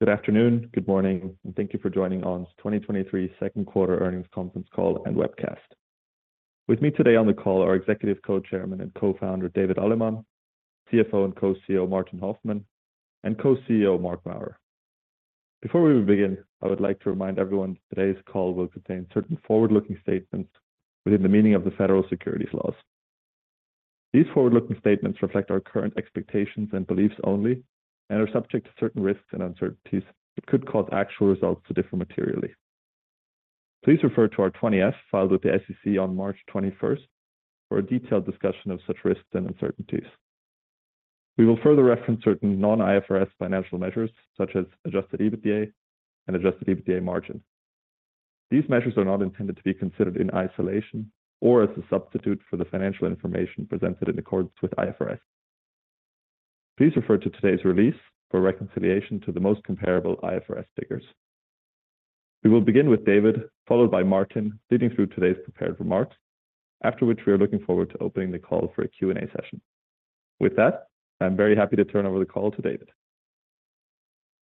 Good afternoon, good morning, thank you for joining On's 2023 second quarter earnings conference call and webcast. With me today on the call are Executive Co-Chairman and Co-Founder, David Allemann, CFO and Co-CEO, Martin Hoffmann, and Co-CEO, Marc Maurer. Before we begin, I would like to remind everyone that today's call will contain certain forward-looking statements within the meaning of the Federal Securities laws. These forward-looking statements reflect our current expectations and beliefs only, and are subject to certain risks and uncertainties that could cause actual results to differ materially. Please refer to our 20-F, filed with the SEC on March 21st, for a detailed discussion of such risks and uncertainties. We will further reference certain non-IFRS financial measures, such as adjusted EBITDA and adjusted EBITDA margin. These measures are not intended to be considered in isolation or as a substitute for the financial information presented in accordance with IFRS. Please refer to today's release for reconciliation to the most comparable IFRS figures. We will begin with David, followed by Martin, leading through today's prepared remarks. After which, we are looking forward to opening the call for a Q&A session. With that, I'm very happy to turn over the call to David.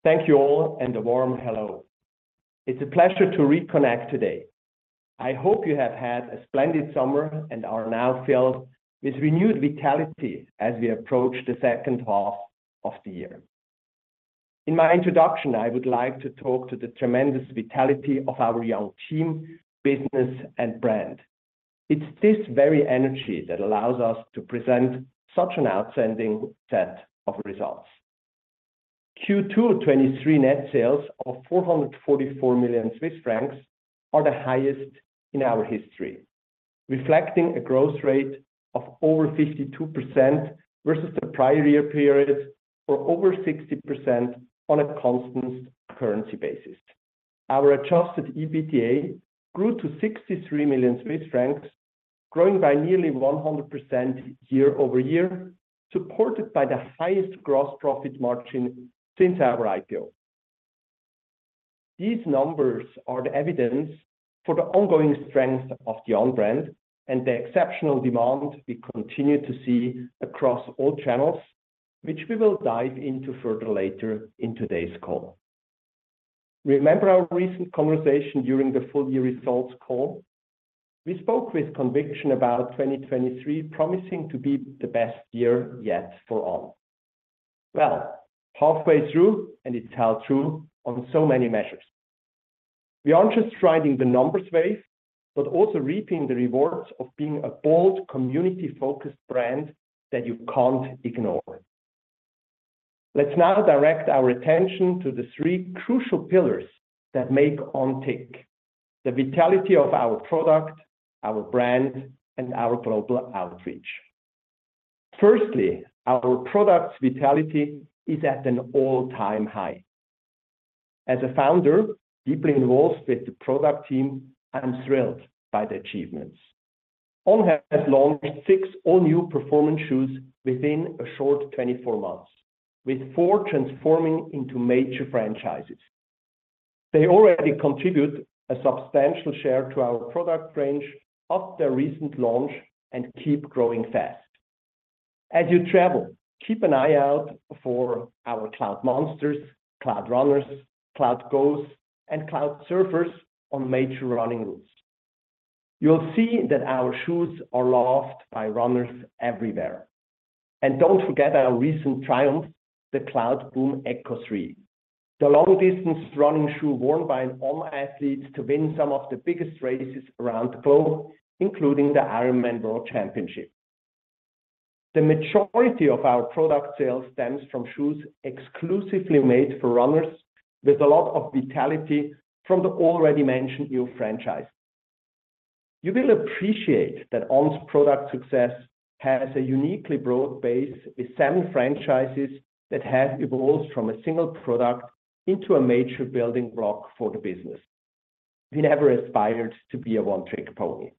Thank you all. A warm hello. It's a pleasure to reconnect today. I hope you have had a splendid summer and are now filled with renewed vitality as we approach the second half of the year. In my introduction, I would like to talk to the tremendous vitality of our young team, business, and brand. It's this very energy that allows us to present such an outstanding set of results. Q2 2023 net sales of 444 million Swiss francs are the highest in our history, reflecting a growth rate of over 52% versus the prior year period, or over 60% on a constant currency basis. Our Adjusted EBITDA grew to 63 million Swiss francs, growing by nearly 100% year-over-year, supported by the highest gross profit margin since our IPO. These numbers are the evidence for the ongoing strength of the On brand and the exceptional demand we continue to see across all channels, which we will dive into further later in today's call. Remember our recent conversation during the full year results call? We spoke with conviction about 2023 promising to be the best year yet for On. Well, halfway through, and it's held true on so many measures. We aren't just riding the numbers wave, but also reaping the rewards of being a bold, community-focused brand that you can't ignore. Let's now direct our attention to the three crucial pillars that make On tick: the vitality of our product, our brand, and our global outreach. Firstly, our product's vitality is at an all-time high. As a founder, deeply involved with the product team, I am thrilled by the achievements. On has launched 6 all-new performance shoes within a short 24 months, with 4 transforming into major franchises. They already contribute a substantial share to our product range of their recent launch and keep growing fast. As you travel, keep an eye out for our Cloudmonsters, Cloudrunners, Cloudgos, and Cloudsurfers on major running routes. You'll see that our shoes are loved by runners everywhere. Don't forget our recent triumph, the Cloudboom Echo 3, the long-distance running shoe worn by On athletes to win some of the biggest races around the globe, including the IRONMAN World Championship. The majority of our product sales stems from shoes exclusively made for runners, with a lot of vitality from the already mentioned new franchise. You will appreciate that On's product success has a uniquely broad base, with seven franchises that have evolved from a single product into a major building block for the business. We never aspired to be a one-trick pony.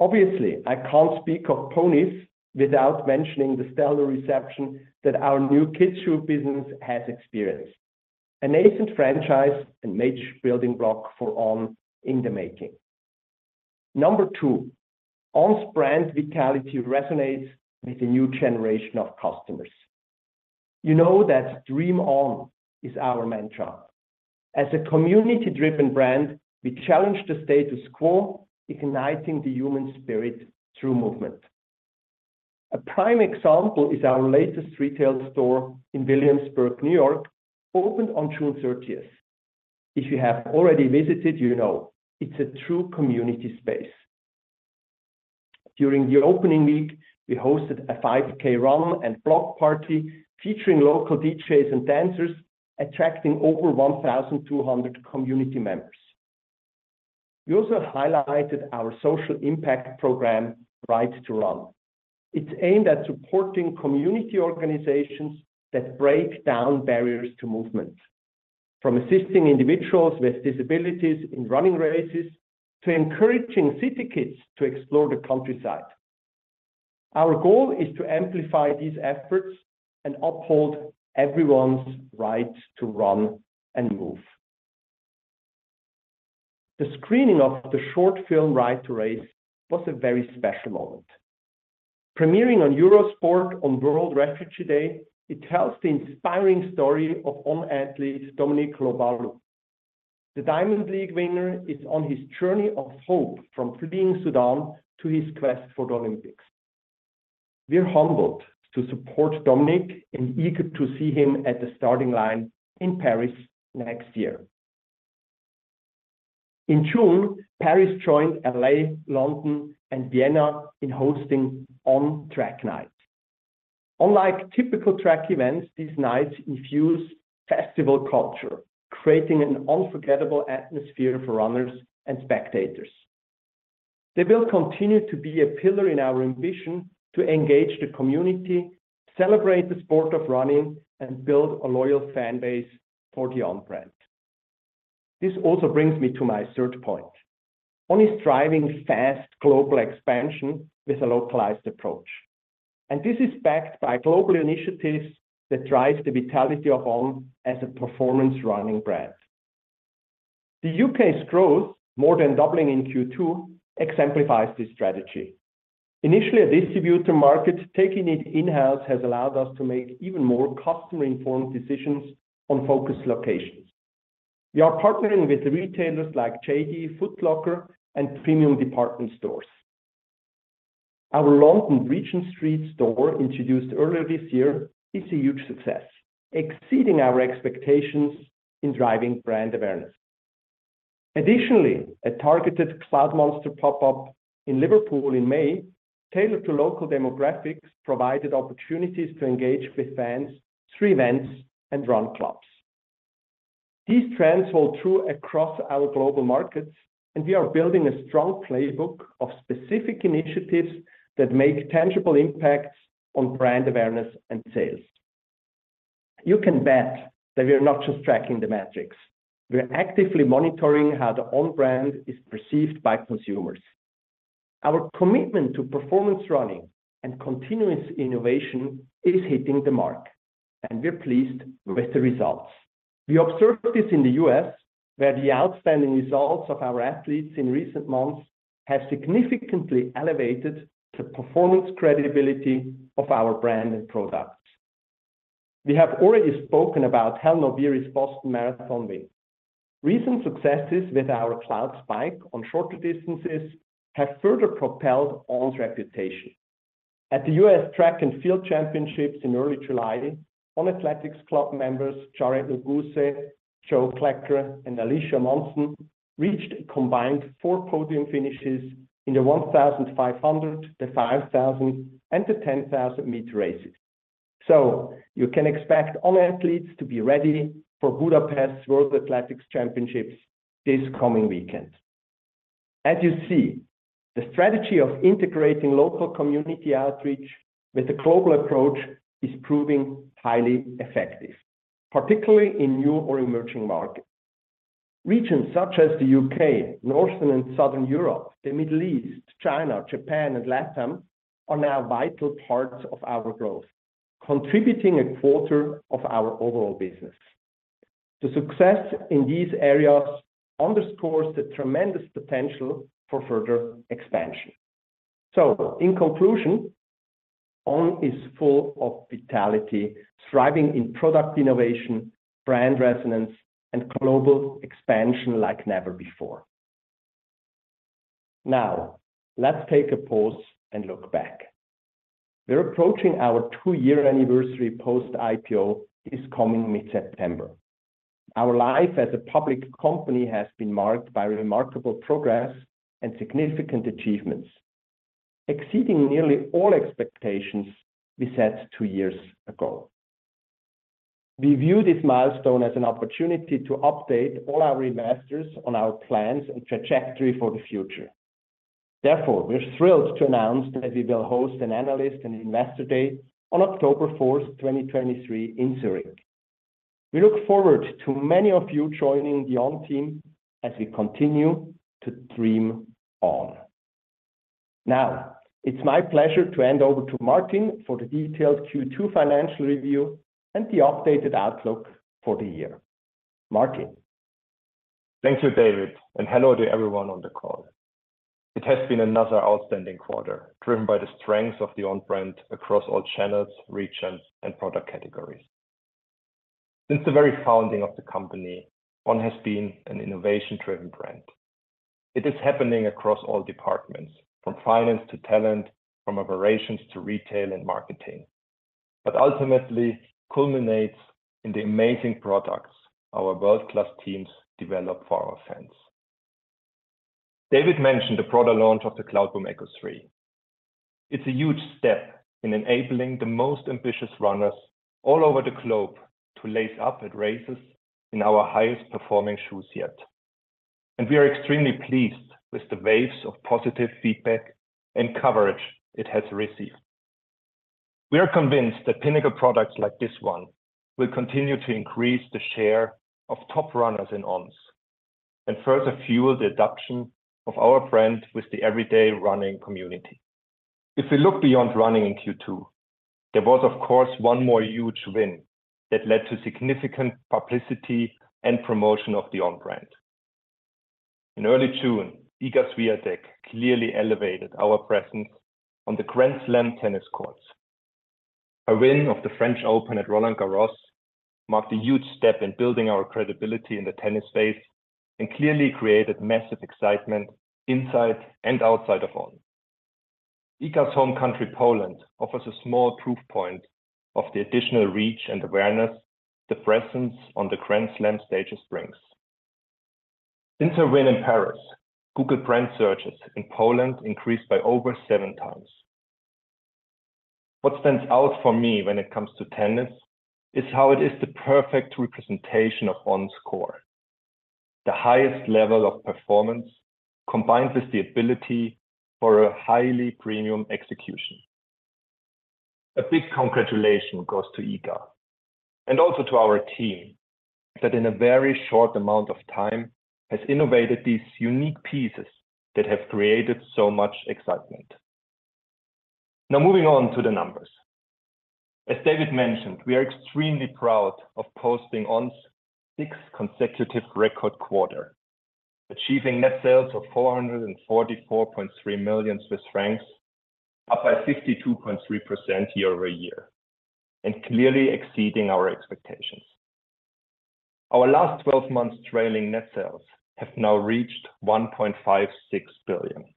Obviously, I can't speak of ponies without mentioning the stellar reception that our new kids shoe business has experienced. A nascent franchise and major building block for On in the making. Number two, On's brand vitality resonates with a new generation of customers. You know that Dream On is our mantra. As a community-driven brand, we challenge the status quo, igniting the human spirit through movement. A prime example is our latest retail store in Williamsburg, New York, opened on June 30. If you have already visited, you know it's a true community space. During the opening week, we hosted a 5K run and block party featuring local DJs and dancers, attracting over 1,200 community members. We also highlighted our social impact program, Right to Run. It's aimed at supporting community organizations that break down barriers to movement, from assisting individuals with disabilities in running races, to encouraging city kids to explore the countryside. Our goal is to amplify these efforts and uphold everyone's right to run and move. The screening of the short film, Right to Race, was a very special moment. Premiering on Eurosport on World Refugee Day, it tells the inspiring story of On athlete, Dominic Lobalu. The Diamond League winner is on his journey of hope from fleeing Sudan to his quest for the Olympics. We're humbled to support Dominic and eager to see him at the starting line in Paris next year. In June, Paris joined L.A., London, and Vienna in hosting On Track Night. Unlike typical track events, these nights infuse festival culture, creating an unforgettable atmosphere for runners and spectators. They will continue to be a pillar in our ambition to engage the community, celebrate the sport of running, and build a loyal fan base for the On brand. This also brings me to my third point. On is driving fast global expansion with a localized approach, and this is backed by global initiatives that drives the vitality of On as a performance running brand. The U.K.'s growth, more than doubling in Q2, exemplifies this strategy. Initially, a distributor market, taking it in-house, has allowed us to make even more customer-informed decisions on focus locations. We are partnering with retailers like JD, Foot Locker, and premium department stores. Our London Regent Street store, introduced earlier this year, is a huge success, exceeding our expectations in driving brand awareness. Additionally, a targeted Cloudmonster pop-up in Liverpool in May, tailored to local demographics, provided opportunities to engage with fans through events and run clubs. These trends hold true across our global markets, and we are building a strong playbook of specific initiatives that make tangible impacts on brand awareness and sales. You can bet that we are not just tracking the metrics. We are actively monitoring how the On brand is perceived by consumers. Our commitment to performance running and continuous innovation is hitting the Marc, and we're pleased with the results. We observed this in the US, where the outstanding results of our athletes in recent months have significantly elevated the performance credibility of our brand and products. We have already spoken about Hellen Obiri's Boston Marathon win. Recent successes with our Cloudspike on shorter distances have further propelled On's reputation. At the US Track and Field Championships in early July, On Athletics Club members, Yared Nuguse, Joe Klecker, and Alicia Monson, reached a combined four podium finishes in the 1,500, the 5,000, and the 10,000 meter races. You can expect On athletes to be ready for Budapest World Athletics Championships this coming weekend. As you see, the strategy of integrating local community outreach with a global approach is proving highly effective, particularly in new or emerging markets. Regions such as the U.K., Northern and Southern Europe, the Middle East, China, Japan, and LATAM, are now vital parts of our growth, contributing a quarter of our overall business. The success in these areas underscores the tremendous potential for further expansion. In conclusion, On is full of vitality, thriving in product innovation, brand resonance, and global expansion like never before. Let's take a pause and look back. We're approaching our two-year anniversary post-IPO this coming mid-September. Our life as a public company has been marked by remarkable progress and significant achievements, exceeding nearly all expectations we set two years ago. We view this milestone as an opportunity to update all our investors on our plans and trajectory for the future. Therefore, we're thrilled to announce that we will host an analyst and investor day on October 4, 2023 in Zurich. We look forward to many of you joining the On team as we continue to dream On. It's my pleasure to hand over to Martin for the detailed Q2 financial review and the updated outlook for the year. Martin? Thank you, David, and hello to everyone on the call. It has been another outstanding quarter, driven by the strength of the On brand across all channels, regions, and product categories. Since the very founding of the company, On has been an innovation-driven brand. It is happening across all departments, from finance to talent, from operations to retail and marketing, but ultimately culminates in the amazing products our world-class teams develop for our fans. David mentioned the product launch of the Cloudboom Echo 3. It's a huge step in enabling the most ambitious runners all over the globe to lace up at races in our highest-performing shoes yet, and we are extremely pleased with the waves of positive feedback and coverage it has received. We are convinced that pinnacle products like this one will continue to increase the share of top runners in Ons and further fuel the adoption of our brand with the everyday running community. If we look beyond running in Q2, there was, of course, one more huge win that led to significant publicity and promotion of the On brand. In early June, Iga Swiatek clearly elevated our presence on the Grand Slam tennis courts. Her win of the French Open at Roland-Garros marked a huge step in building our credibility in the tennis space and clearly created massive excitement inside and outside of On. Iga's home country, Poland, offers a small proof point of the additional reach and awareness the presence on the Grand Slam stage brings. Since her win in Paris, Google brand searches in Poland increased by over seven times. What stands out for me when it comes to tennis, is how it is the perfect representation of On's core. The highest level of performance, combined with the ability for a highly premium execution. A big congratulation goes to Iga, and also to our team, that in a very short amount of time, has innovated these unique pieces that have created so much excitement. Now, moving on to the numbers. As David mentioned, we are extremely proud of posting On's sixth consecutive record quarter, achieving net sales of 444.3 million CHF, up by 52.3% year-over-year, and clearly exceeding our expectations. Our last twelve months trailing net sales have now reached 1.56 billion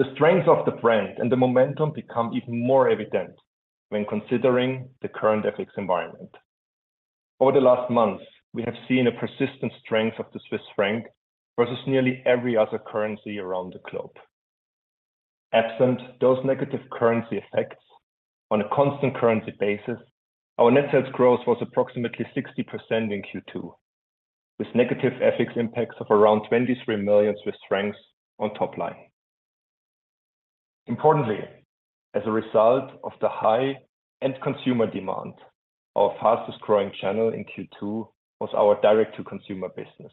CHF. The strength of the brand and the momentum become even more evident when considering the current FX environment. Over the last months, we have seen a persistent strength of the Swiss franc versus nearly every other currency around the globe. Absent those negative currency effects, on a constant currency basis, our net sales growth was approximately 60% in Q2, with negative FX impacts of around 23 million Swiss francs on top line. Importantly, as a result of the high end consumer demand, our fastest growing channel in Q2 was our direct-to-consumer business,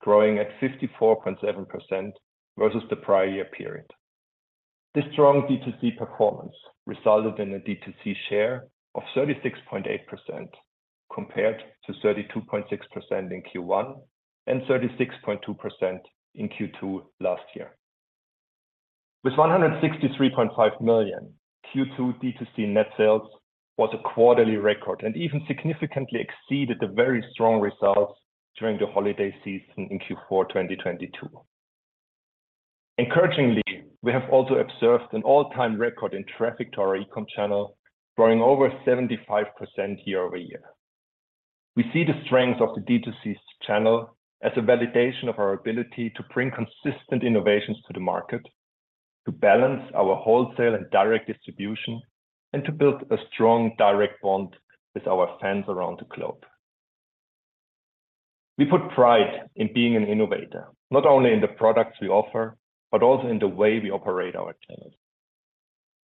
growing at 54.7% versus the prior year period. This strong D2C performance resulted in a D2C share of 36.8%, compared to 32.6% in Q1 and 36.2% in Q2 last year. With 163.5 million, Q2 D2C net sales was a quarterly record and even significantly exceeded the very strong results during the holiday season in Q4 2022. Encouragingly, we have also observed an all-time record in traffic to our E-com channel, growing over 75% year-over-year. We see the strength of the D2C channel as a validation of our ability to bring consistent innovations to the market, to balance our wholesale and direct distribution, and to build a strong direct bond with our fans around the globe. We put pride in being an innovator, not only in the products we offer, but also in the way we operate our channels.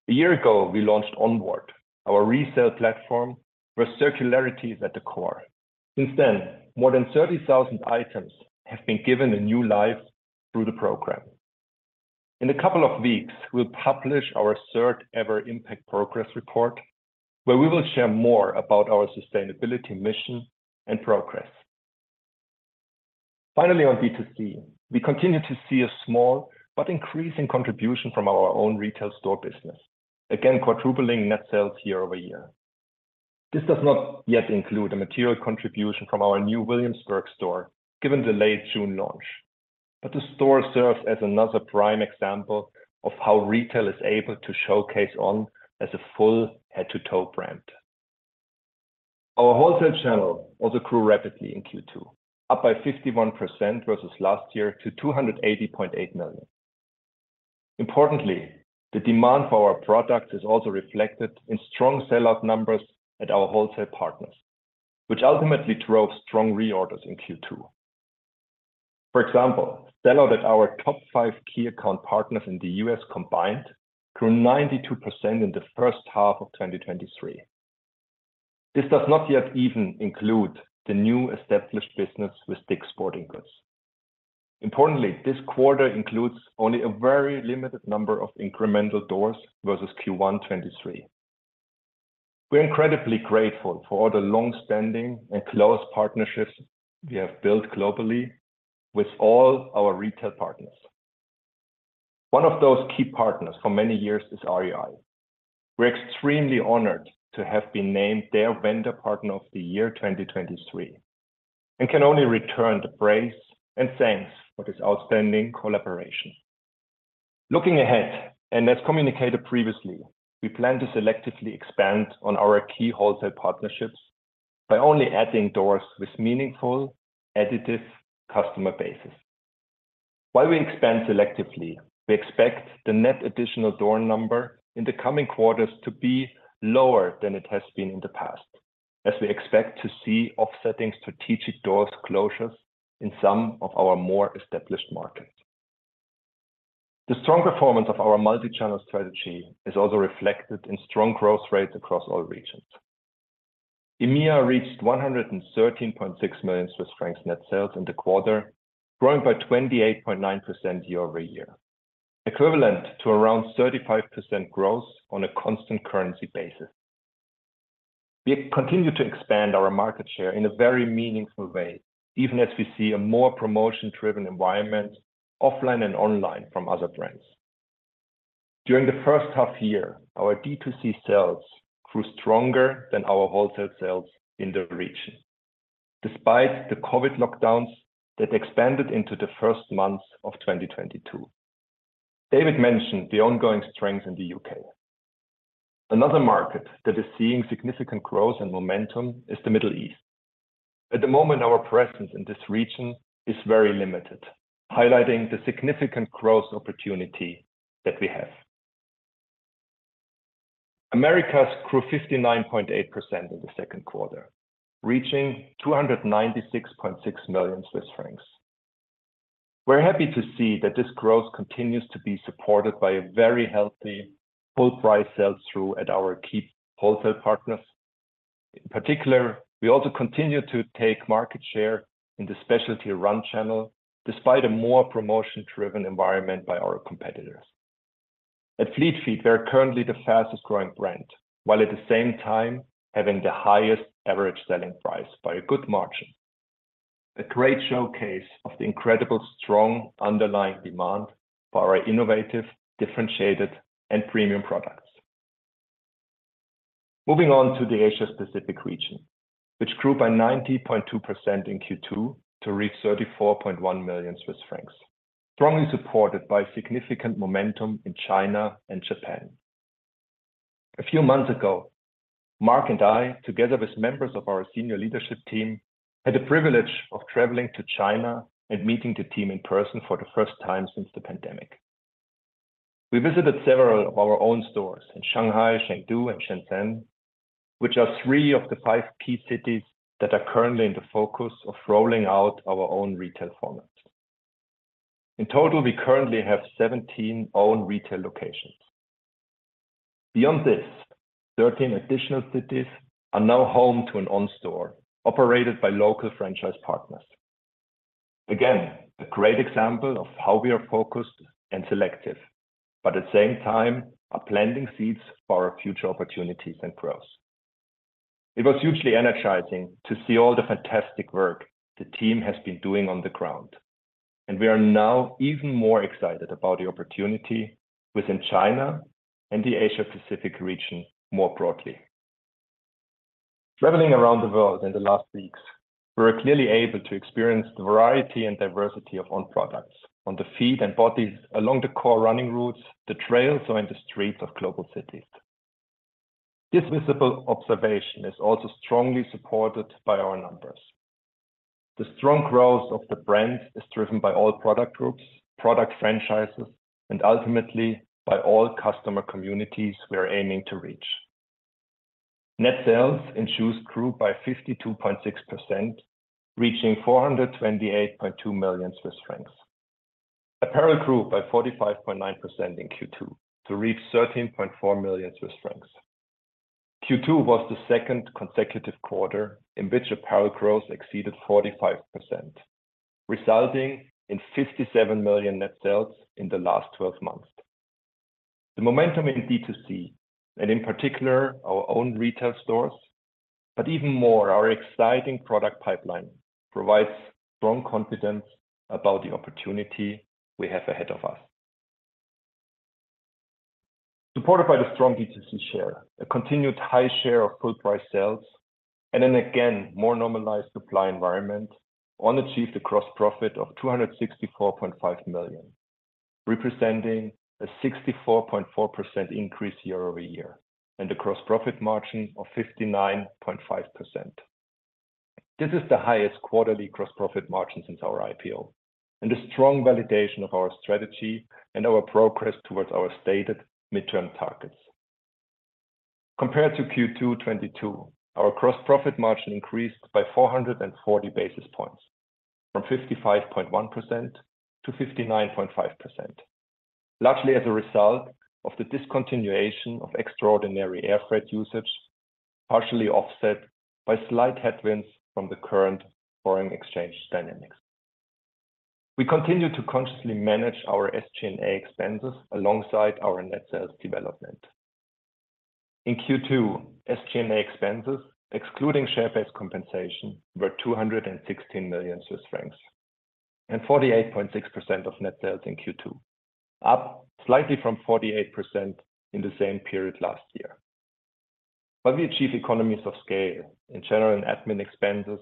A year ago, we launched Onward, our resale platform, where circularity is at the core. Since then, more than 30,000 items have been given a new life through the program. In a couple of weeks, we'll publish our third ever impact progress report, where we will share more about our sustainability mission and progress. Finally, on D2C, we continue to see a small but increasing contribution from our own retail store business, again, quadrupling net sales year-over-year. This does not yet include a material contribution from our new Williamsburg store, given the late June launch, the store serves as another prime example of how retail is able to showcase On as a full head-to-toe brand. Our wholesale channel also grew rapidly in Q2, up by 51% versus last year to 280.8 million. Importantly, the demand for our products is also reflected in strong sell-out numbers at our wholesale partners, which ultimately drove strong reorders in Q2. For example, sell-out at our top five key account partners in the U.S. combined, grew 92% in the first half of 2023. This does not yet even include the new established business with DICK'S Sporting Goods. Importantly, this quarter includes only a very limited number of incremental doors versus Q1 2023. We're incredibly grateful for all the long-standing and close partnerships we have built globally with all our retail partners. One of those key partners for many years is REI. We're extremely honored to have been named their Vendor Partner of the Year, 2023, and can only return the praise and thanks for this outstanding collaboration. Looking ahead, and as communicated previously, we plan to selectively expand on our key wholesale partnerships by only adding doors with meaningful, additive customer bases. While we expand selectively, we expect the net additional door number in the coming quarters to be lower than it has been in the past, as we expect to see offsetting strategic doors closures in some of our more established markets. The strong performance of our multi-channel strategy is also reflected in strong growth rates across all regions. EMEA reached 113.6 million Swiss francs net sales in the quarter, growing by 28.9% year-over-year, equivalent to around 35% growth on a constant currency basis. We have continued to expand our market share in a very meaningful way, even as we see a more promotion-driven environment, offline and online, from other brands. During the first half year, our D2C sales grew stronger than our wholesale sales in the region, despite the COVID lockdowns that expanded into the first months of 2022. David mentioned the ongoing strength in the U.K.. Another market that is seeing significant growth and momentum is the Middle East. At the moment, our presence in this region is very limited, highlighting the significant growth opportunity that we have. Americas grew 59.8% in the second quarter, reaching 296.6 million Swiss francs. We're happy to see that this growth continues to be supported by a very healthy full price sales through at our key wholesale partners. In particular, we also continue to take market share in the specialty run channel, despite a more promotion-driven environment by our competitors. At Fleet Feet, we are currently the fastest growing brand, while at the same time having the highest average selling price by a good margin. A great showcase of the incredible strong underlying demand for our innovative, differentiated, and premium products. Moving on to the Asia Pacific region, which grew by 90.2% in Q2 to reach 34.1 million Swiss francs, strongly supported by significant momentum in China and Japan. A few months ago, Marc and I, together with members of our senior leadership team, had the privilege of traveling to China and meeting the team in person for the first time since the pandemic. We visited several of our own stores in Shanghai, Chengdu, and Shenzhen, which are three of the five key cities that are currently in the focus of rolling out our own retail formats. In total, we currently have 17 own retail locations. Beyond this, 13 additional cities are now home to an On store operated by local franchise partners. Again, a great example of how we are focused and selective, but at the same time are planting seeds for our future opportunities and growth. It was hugely energizing to see all the fantastic work the team has been doing on the ground, and we are now even more excited about the opportunity within China and the Asia Pacific region more broadly. Traveling around the world in the last weeks, we were clearly able to experience the variety and diversity of On products on the feet and bodies, along the core running routes, the trails, or in the streets of global cities. This visible observation is also strongly supported by our numbers. The strong growth of the brand is driven by all product groups, product franchises, and ultimately by all customer communities we are aiming to reach. Net sales in shoes grew by 52.6%, reaching 428.2 million Swiss francs. Apparel grew by 45.9% in Q2 to reach 13.4 million Swiss francs. Q2 was the second consecutive quarter in which apparel growth exceeded 45%, resulting in 57 million net sales in the last twelve months. The momentum in D2C, and in particular our own retail stores, but even more, our exciting product pipeline, provides strong confidence about the opportunity we have ahead of us. Supported by the strong D2C share, a continued high share of full price sales, and then again, more normalized supply environment, On achieved a gross profit of 264.5 million, representing a 64.4% increase year-over-year, and a gross profit margin of 59.5%. This is the highest quarterly gross profit margin since our IPO, and a strong validation of our strategy and our progress towards our stated midterm targets. Compared to Q2 2022, our gross profit margin increased by 440 basis points, from 55.1% to 59.5%, largely as a result of the discontinuation of extraordinary air freight usage, partially offset by slight headwinds from the current foreign exchange dynamics. We continue to consciously manage our SG&A expenses alongside our net sales development. In Q2, SG&A expenses, excluding share-based compensation, were 216 million Swiss francs, and 48.6% of net sales in Q2, up slightly from 48% in the same period last year. While we achieve economies of scale in general and admin expenses,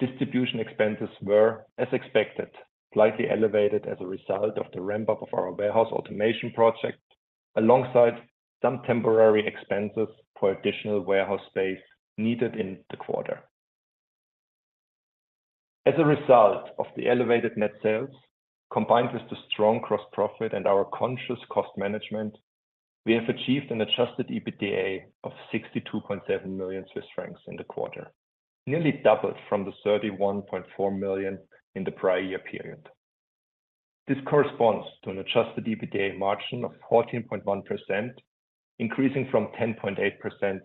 distribution expenses were, as expected, slightly elevated as a result of the ramp-up of our warehouse automation project, alongside some temporary expenses for additional warehouse space needed in the quarter. As a result of the elevated net sales, combined with the strong gross profit and our conscious cost management, we have achieved an Adjusted EBITDA of 62.7 million Swiss francs in the quarter, nearly doubled from the 31.4 million in the prior year period. This corresponds to an Adjusted EBITDA margin of 14.1%, increasing from 10.8%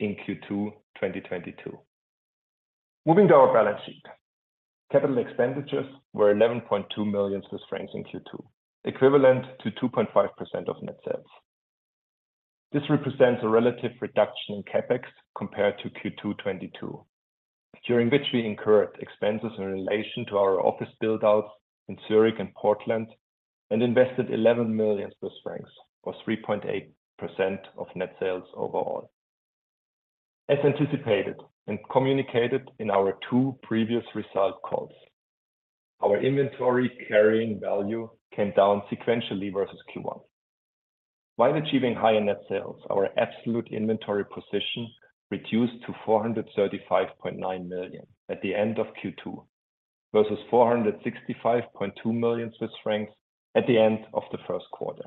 in Q2 2022. Moving to our balance sheet. Capital expenditures were 11.2 million Swiss francs in Q2, equivalent to 2.5% of net sales. This represents a relative reduction in CapEx compared to Q2 2022, during which we incurred expenses in relation to our office build-outs in Zurich and Portland, and invested 11 million Swiss francs, or 3.8% of net sales overall. As anticipated and communicated in our 2 previous result calls, our inventory carrying value came down sequentially versus Q1. While achieving higher net sales, our absolute inventory position reduced to 435.9 million at the end of Q2, versus 465.2 million Swiss francs at the end of the first quarter.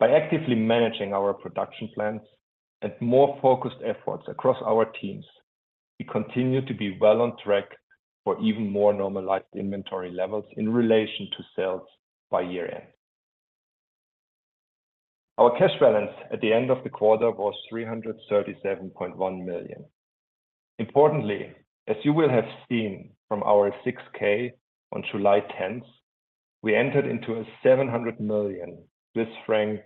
By actively managing our production plans and more focused efforts across our teams, we continue to be well on track for even more normalized inventory levels in relation to sales by year-end. Our cash balance at the end of the quarter was 337.1 million. Importantly, as you will have seen from our 6-K on July tenth, we entered into a 700 million Swiss franc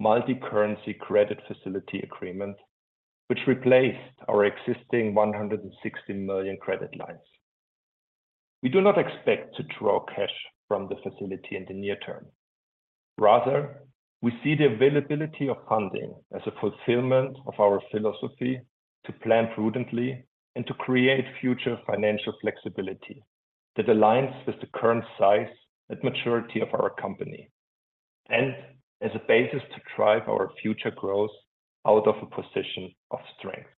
multi-currency credit facility agreement, which replaced our existing 160 million credit lines. We do not expect to draw cash from the facility in the near term. Rather, we see the availability of funding as a fulfillment of our philosophy to plan prudently and to create future financial flexibility that aligns with the current size and maturity of our company, and as a basis to drive our future growth out of a position of strength.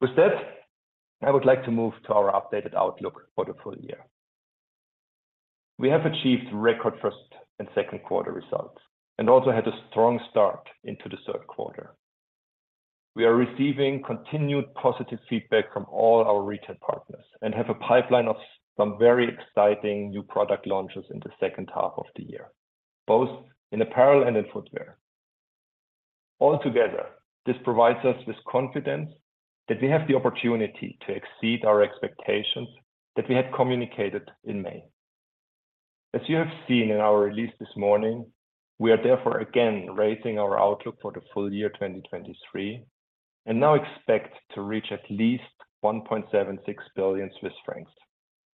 With that, I would like to move to our updated outlook for the full year. We have achieved record first and second quarter results, and also had a strong start into the third quarter. We are receiving continued positive feedback from all our retail partners and have a pipeline of some very exciting new product launches in the second half of the year, both in apparel and in footwear. Altogether, this provides us with confidence that we have the opportunity to exceed our expectations that we had communicated in May. As you have seen in our release this morning, we are therefore again raising our outlook for the full year 2023, and now expect to reach at least 1.76 billion Swiss francs,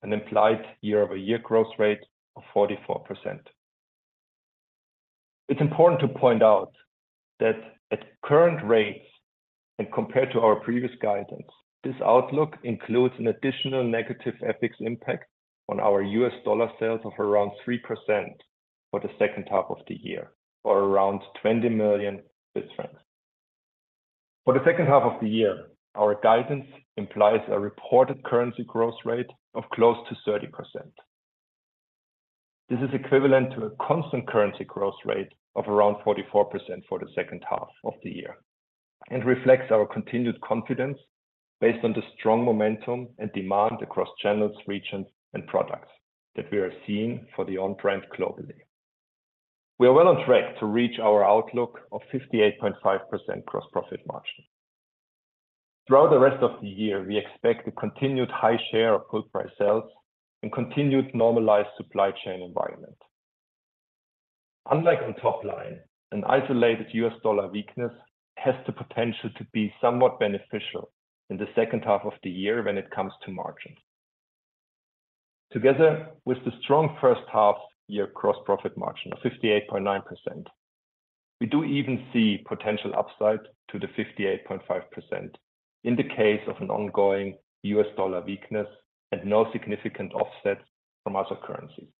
an implied year-over-year growth rate of 44%. It's important to point out that at current rates, and compared to our previous guidance, this outlook includes an additional negative FX impact on our US dollar sales of around 3% for the second half of the year, or around CHF 20 million. For the second half of the year, our guidance implies a reported currency growth rate of close to 30%. This is equivalent to a constant currency growth rate of around 44% for the second half of the year, reflects our continued confidence based on the strong momentum and demand across channels, regions, and products that we are seeing for the On brand globally. We are well on track to reach our outlook of 58.5% gross profit margin. Throughout the rest of the year, we expect a continued high share of full price sales and continued normalized supply chain environment. Unlike on top line, an isolated US dollar weakness has the potential to be somewhat beneficial in the second half of the year when it comes to margins. Together with the strong first half year gross profit margin of 58.9%, we do even see potential upside to the 58.5% in the case of an ongoing US dollar weakness and no significant offsets from other currencies.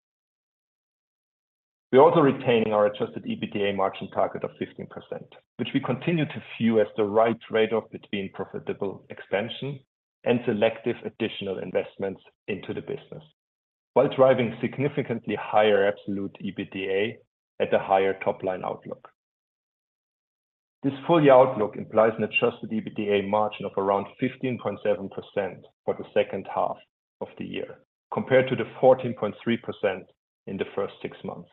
We are also retaining our Adjusted EBITDA margin target of 15%, which we continue to view as the right trade-off between profitable expansion and selective additional investments into the business, while driving significantly higher absolute EBITDA at a higher top-line outlook. This full year outlook implies an Adjusted EBITDA margin of around 15.7% for the second half of the year, compared to the 14.3% in the first six months.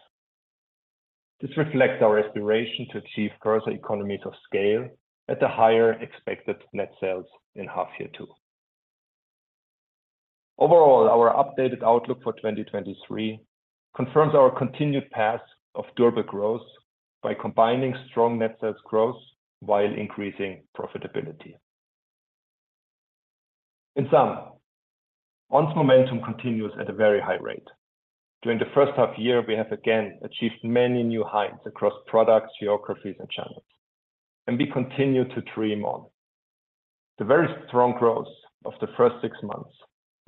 This reflects our aspiration to achieve further economies of scale at the higher expected net sales in half year two. Overall, our updated outlook for 2023 confirms our continued path of durable growth by combining strong net sales growth while increasing profitability. In sum, On's momentum continues at a very high rate. During the first half year, we have again achieved many new heights across products, geographies, and channels, and we continue to dream on. The very strong growth of the first six months,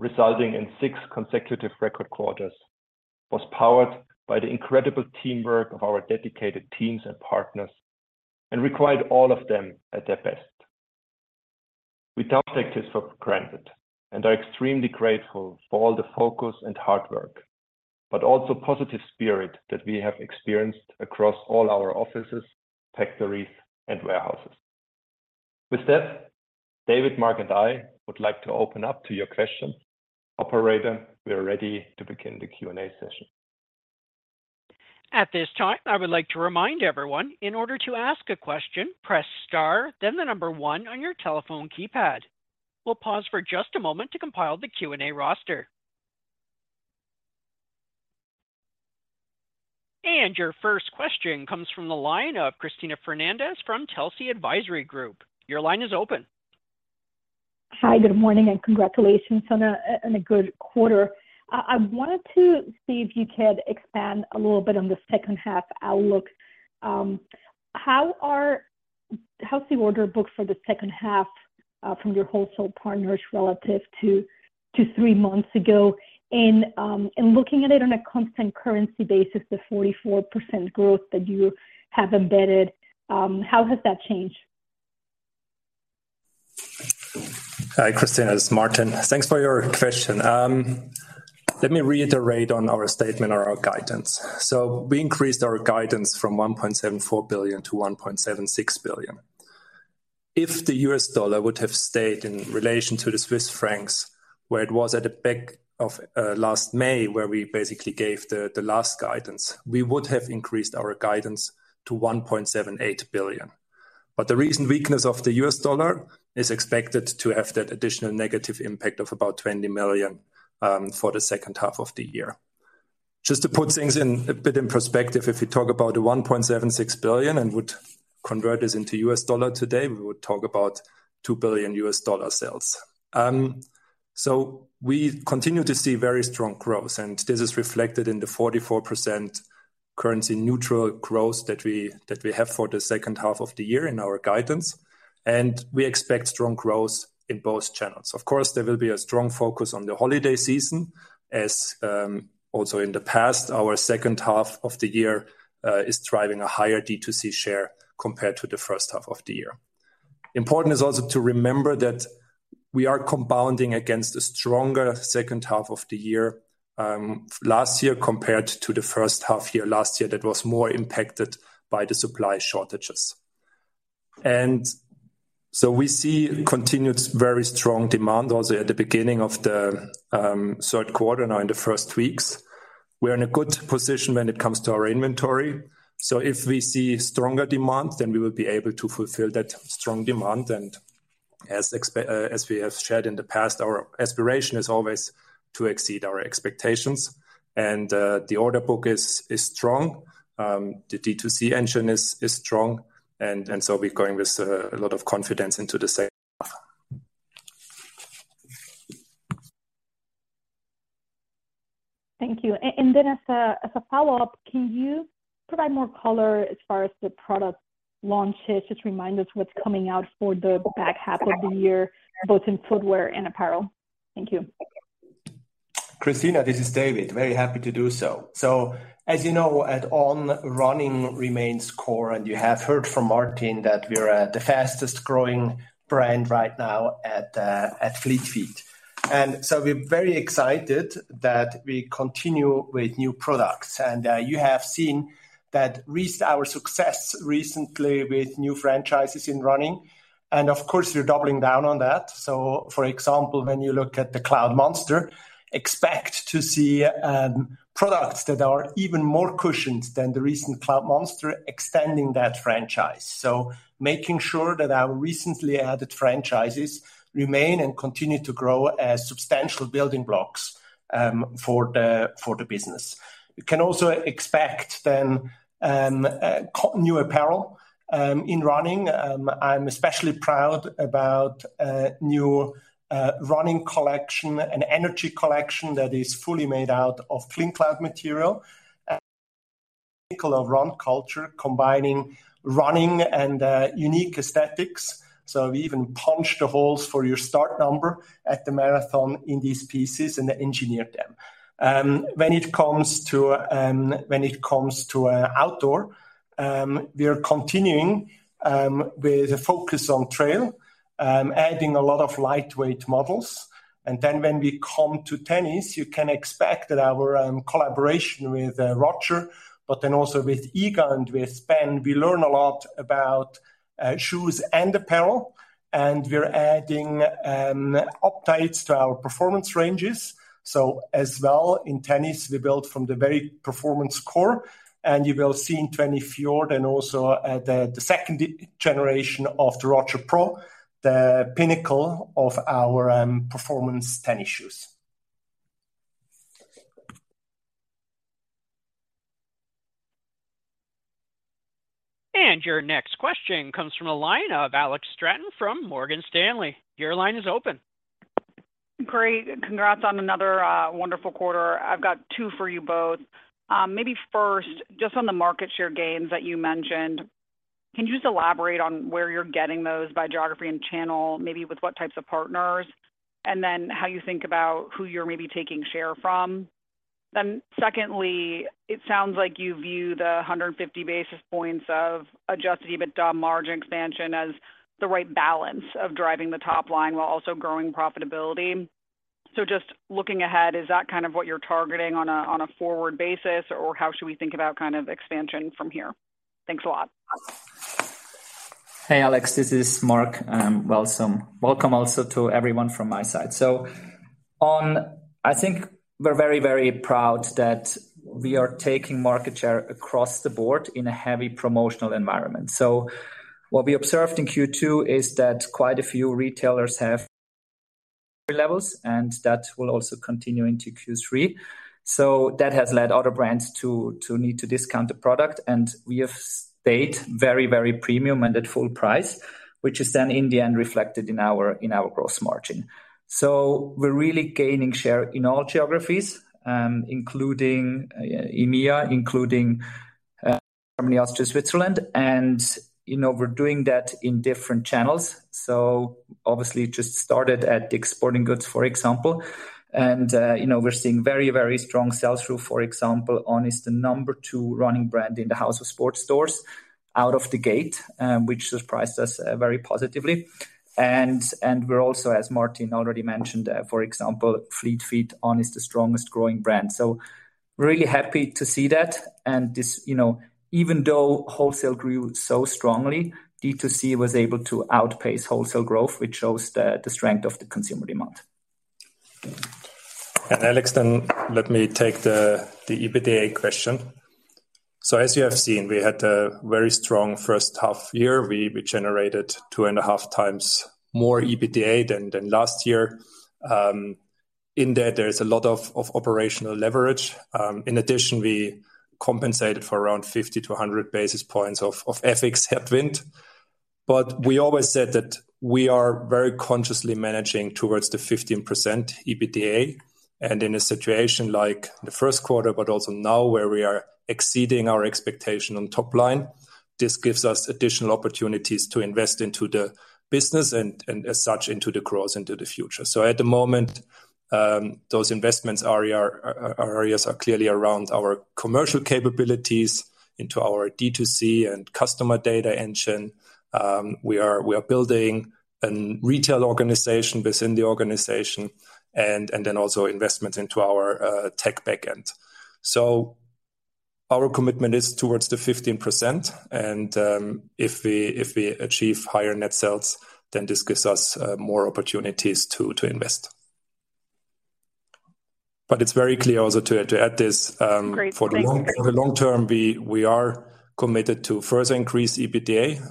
resulting in six consecutive record quarters, was powered by the incredible teamwork of our dedicated teams and partners, and required all of them at their best. We don't take this for granted and are extremely grateful for all the focus and hard work, but also positive spirit that we have experienced across all our offices, factories, and warehouses. With that, David, Marc, and I would like to open up to your questions. Operator, we are ready to begin the Q&A session. At this time, I would like to remind everyone, in order to ask a question, press star, then the number one on your telephone keypad. We'll pause for just a moment to compile the Q&A roster. Your first question comes from the line of Cristina Fernandez from Telsey Advisory Group. Your line is open. Hi, good morning, and congratulations on a good quarter. I wanted to see if you could expand a little bit on the second half outlook. How's the order book for the second half from your wholesale partners relative to three months ago? Looking at it on a constant currency basis, the 44% growth that you have embedded, how has that changed? Hi, Cristina, it's Martin. Thanks for your question. Let me reiterate on our statement or our guidance. We increased our guidance from 1.74 billion to 1.76 billion. If the US dollar would have stayed in relation to the Swiss francs, where it was at the back of last May, where we basically gave the last guidance, we would have increased our guidance to 1.78 billion. The recent weakness of the US dollar is expected to have that additional negative impact of about 20 million for the second half of the year. Just to put things in a bit in perspective, if you talk about the 1.76 billion and would convert this into US dollar today, we would talk about $2 billion sales. We continue to see very strong growth, and this is reflected in the 44% currency neutral growth that we, that we have for the second half of the year in our guidance, and we expect strong growth in both channels. Of course, there will be a strong focus on the holiday season, as, also in the past, our second half of the year, is driving a higher D2C share compared to the first half of the year. Important is also to remember that we are compounding against a stronger second half of the year, last year, compared to the first half year last year, that was more impacted by the supply shortages. We see continued very strong demand also at the beginning of the third quarter, now in the first weeks. We are in a good position when it comes to our inventory. If we see stronger demand, then we will be able to fulfill that strong demand. As expe-- as we have shared in the past, our aspiration is always to exceed our expectations. The order book is, is strong, the D2C engine is, is strong, so we're going with, a lot of confidence into the second half. Thank you. Then as a follow-up, can you provide more color as far as the product launches? Just remind us what's coming out for the back half of the year, both in footwear and apparel. Thank you. Cristina, this is David. Very happy to do so. As you know, at On, running remains core, and you have heard from Martin that we are at the fastest growing brand right now at, at Fleet Feet. We're very excited that we continue with new products. You have seen that recent-- our success recently with new franchises in running, and of course, we're doubling down on that. For example, when you look at the Cloudmonster, expect to see, products that are even more cushioned than the recent Cloudmonster, extending that franchise. Making sure that our recently added franchises remain and continue to grow as substantial building blocks, for the, for the business. You can also expect then, co- new apparel, in running. I'm especially proud about new running collection and energy collection that is fully made out of CleanCloud material, of run culture, combining running and unique aesthetics. We even punch the holes for your start number at the marathon in these pieces and engineer them. When it comes to outdoor, we are continuing with a focus on trail, adding a lot of lightweight models. When we come to tennis, you can expect that our collaboration with Roger, but then also with Iga and with Ben, we learn a lot about shoes and apparel, and we're adding updates to our performance ranges. As well, in tennis, we build from the very performance core, and you will see in The Roger and also, the second generation of The Roger Pro, the pinnacle of our performance tennis shoes. Your next question comes from a line of Alex Stratton from Morgan Stanley. Your line is open. Great. Congrats on another wonderful quarter. I've got two for you both. Maybe first, just on the market share gains that you mentioned, can you just elaborate on where you're getting those by geography and channel, maybe with what types of partners, and then how you think about who you're maybe taking share from? Secondly, it sounds like you view the 150 basis points of Adjusted EBITDA margin expansion as the right balance of driving the top line while also growing profitability. Just looking ahead, is that kind of what you're targeting on a forward basis, or how should we think about kind of expansion from here? Thanks a lot. Hey, Alex, this is Marc, welcome. Welcome also to everyone from my side. I think we're very, very proud that we are taking market share across the board in a heavy promotional environment. What we observed in Q2 is that quite a few retailers have levels, and that will also continue into Q3. That has led other brands to need to discount the product, and we have stayed very, very premium and at full price, which is then in the end, reflected in our gross margin. We're really gaining share in all geographies, including EMEA, including Germany, Austria, Switzerland, and, you know, we're doing that in different channels. Obviously, it just started at DICK'S Sporting Goods, for example. You know, we're seeing very, very strong sales through. For example, On is the number 2 running brand in the House of Sports stores out of the gate, which surprised us very positively. We're also, as Martin already mentioned, for example, Fleet Feet On, is the strongest growing brand. We're really happy to see that. This, you know, even though wholesale grew so strongly, D2C was able to outpace wholesale growth, which shows the strength of the consumer demand. Alex, then let me take the EBITDA question. As you have seen, we had a very strong first half year. We generated 2.5 times more EBITDA than last year. In that, there is a lot of operational leverage. In addition, we compensated for around 50-100 basis points of FX headwind. We always said that we are very consciously managing towards the 15% EBITDA, and in a situation like the first quarter, but also now, where we are exceeding our expectation on top line, this gives us additional opportunities to invest into the business and as such, into the growth into the future. At the moment, those investments are areas are clearly around our commercial capabilities, into our D2C and customer data engine. We are, we are building a retail organization within the organization and, and then also investments into our, tech back end. Our commitment is towards the 15%, and, if we, if we achieve higher net sales, then this gives us, more opportunities to, to invest. It's very clear also to, to add this. Great. Thank you For the long term, we, we are committed to further increase EBITDA.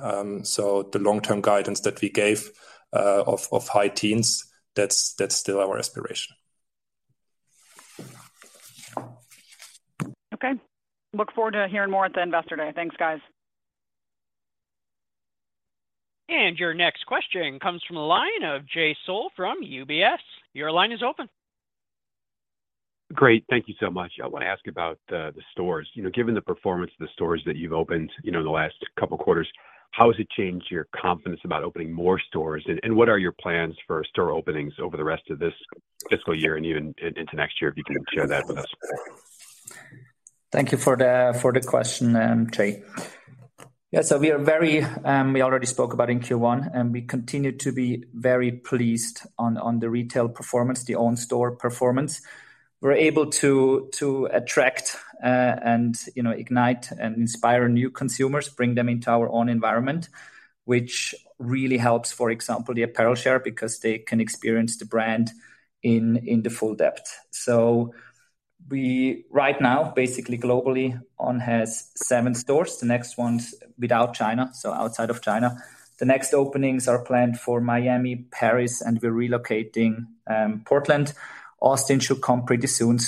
The long-term guidance that we gave, of, of high teens, that's, that's still our aspiration. Okay. Look forward to hearing more at the Investor Day. Thanks, guys. Your next question comes from the line of Jay Sole from UBS. Your line is open. Great. Thank you so much. I want to ask you about the, the stores. You know, given the performance of the stores that you've opened, you know, in the last couple of quarters, how has it changed your confidence about opening more stores? What are your plans for store openings over the rest of this fiscal year and even in, into next year, if you can share that with us? Thank you for the, for the question, Jay. Yeah, so we are very, we already spoke about in Q1, and we continue to be very pleased on, on the retail performance, the own store performance. We're able to, to attract, and, you know, ignite and inspire new consumers, bring them into our own environment, which really helps, for example, the apparel share, because they can experience the brand in, in the full depth. We, right now, basically globally, On has 7 stores, the next one without China, so outside of China. The next openings are planned for Miami, Paris, and we're relocating, Portland. Austin should come pretty soon.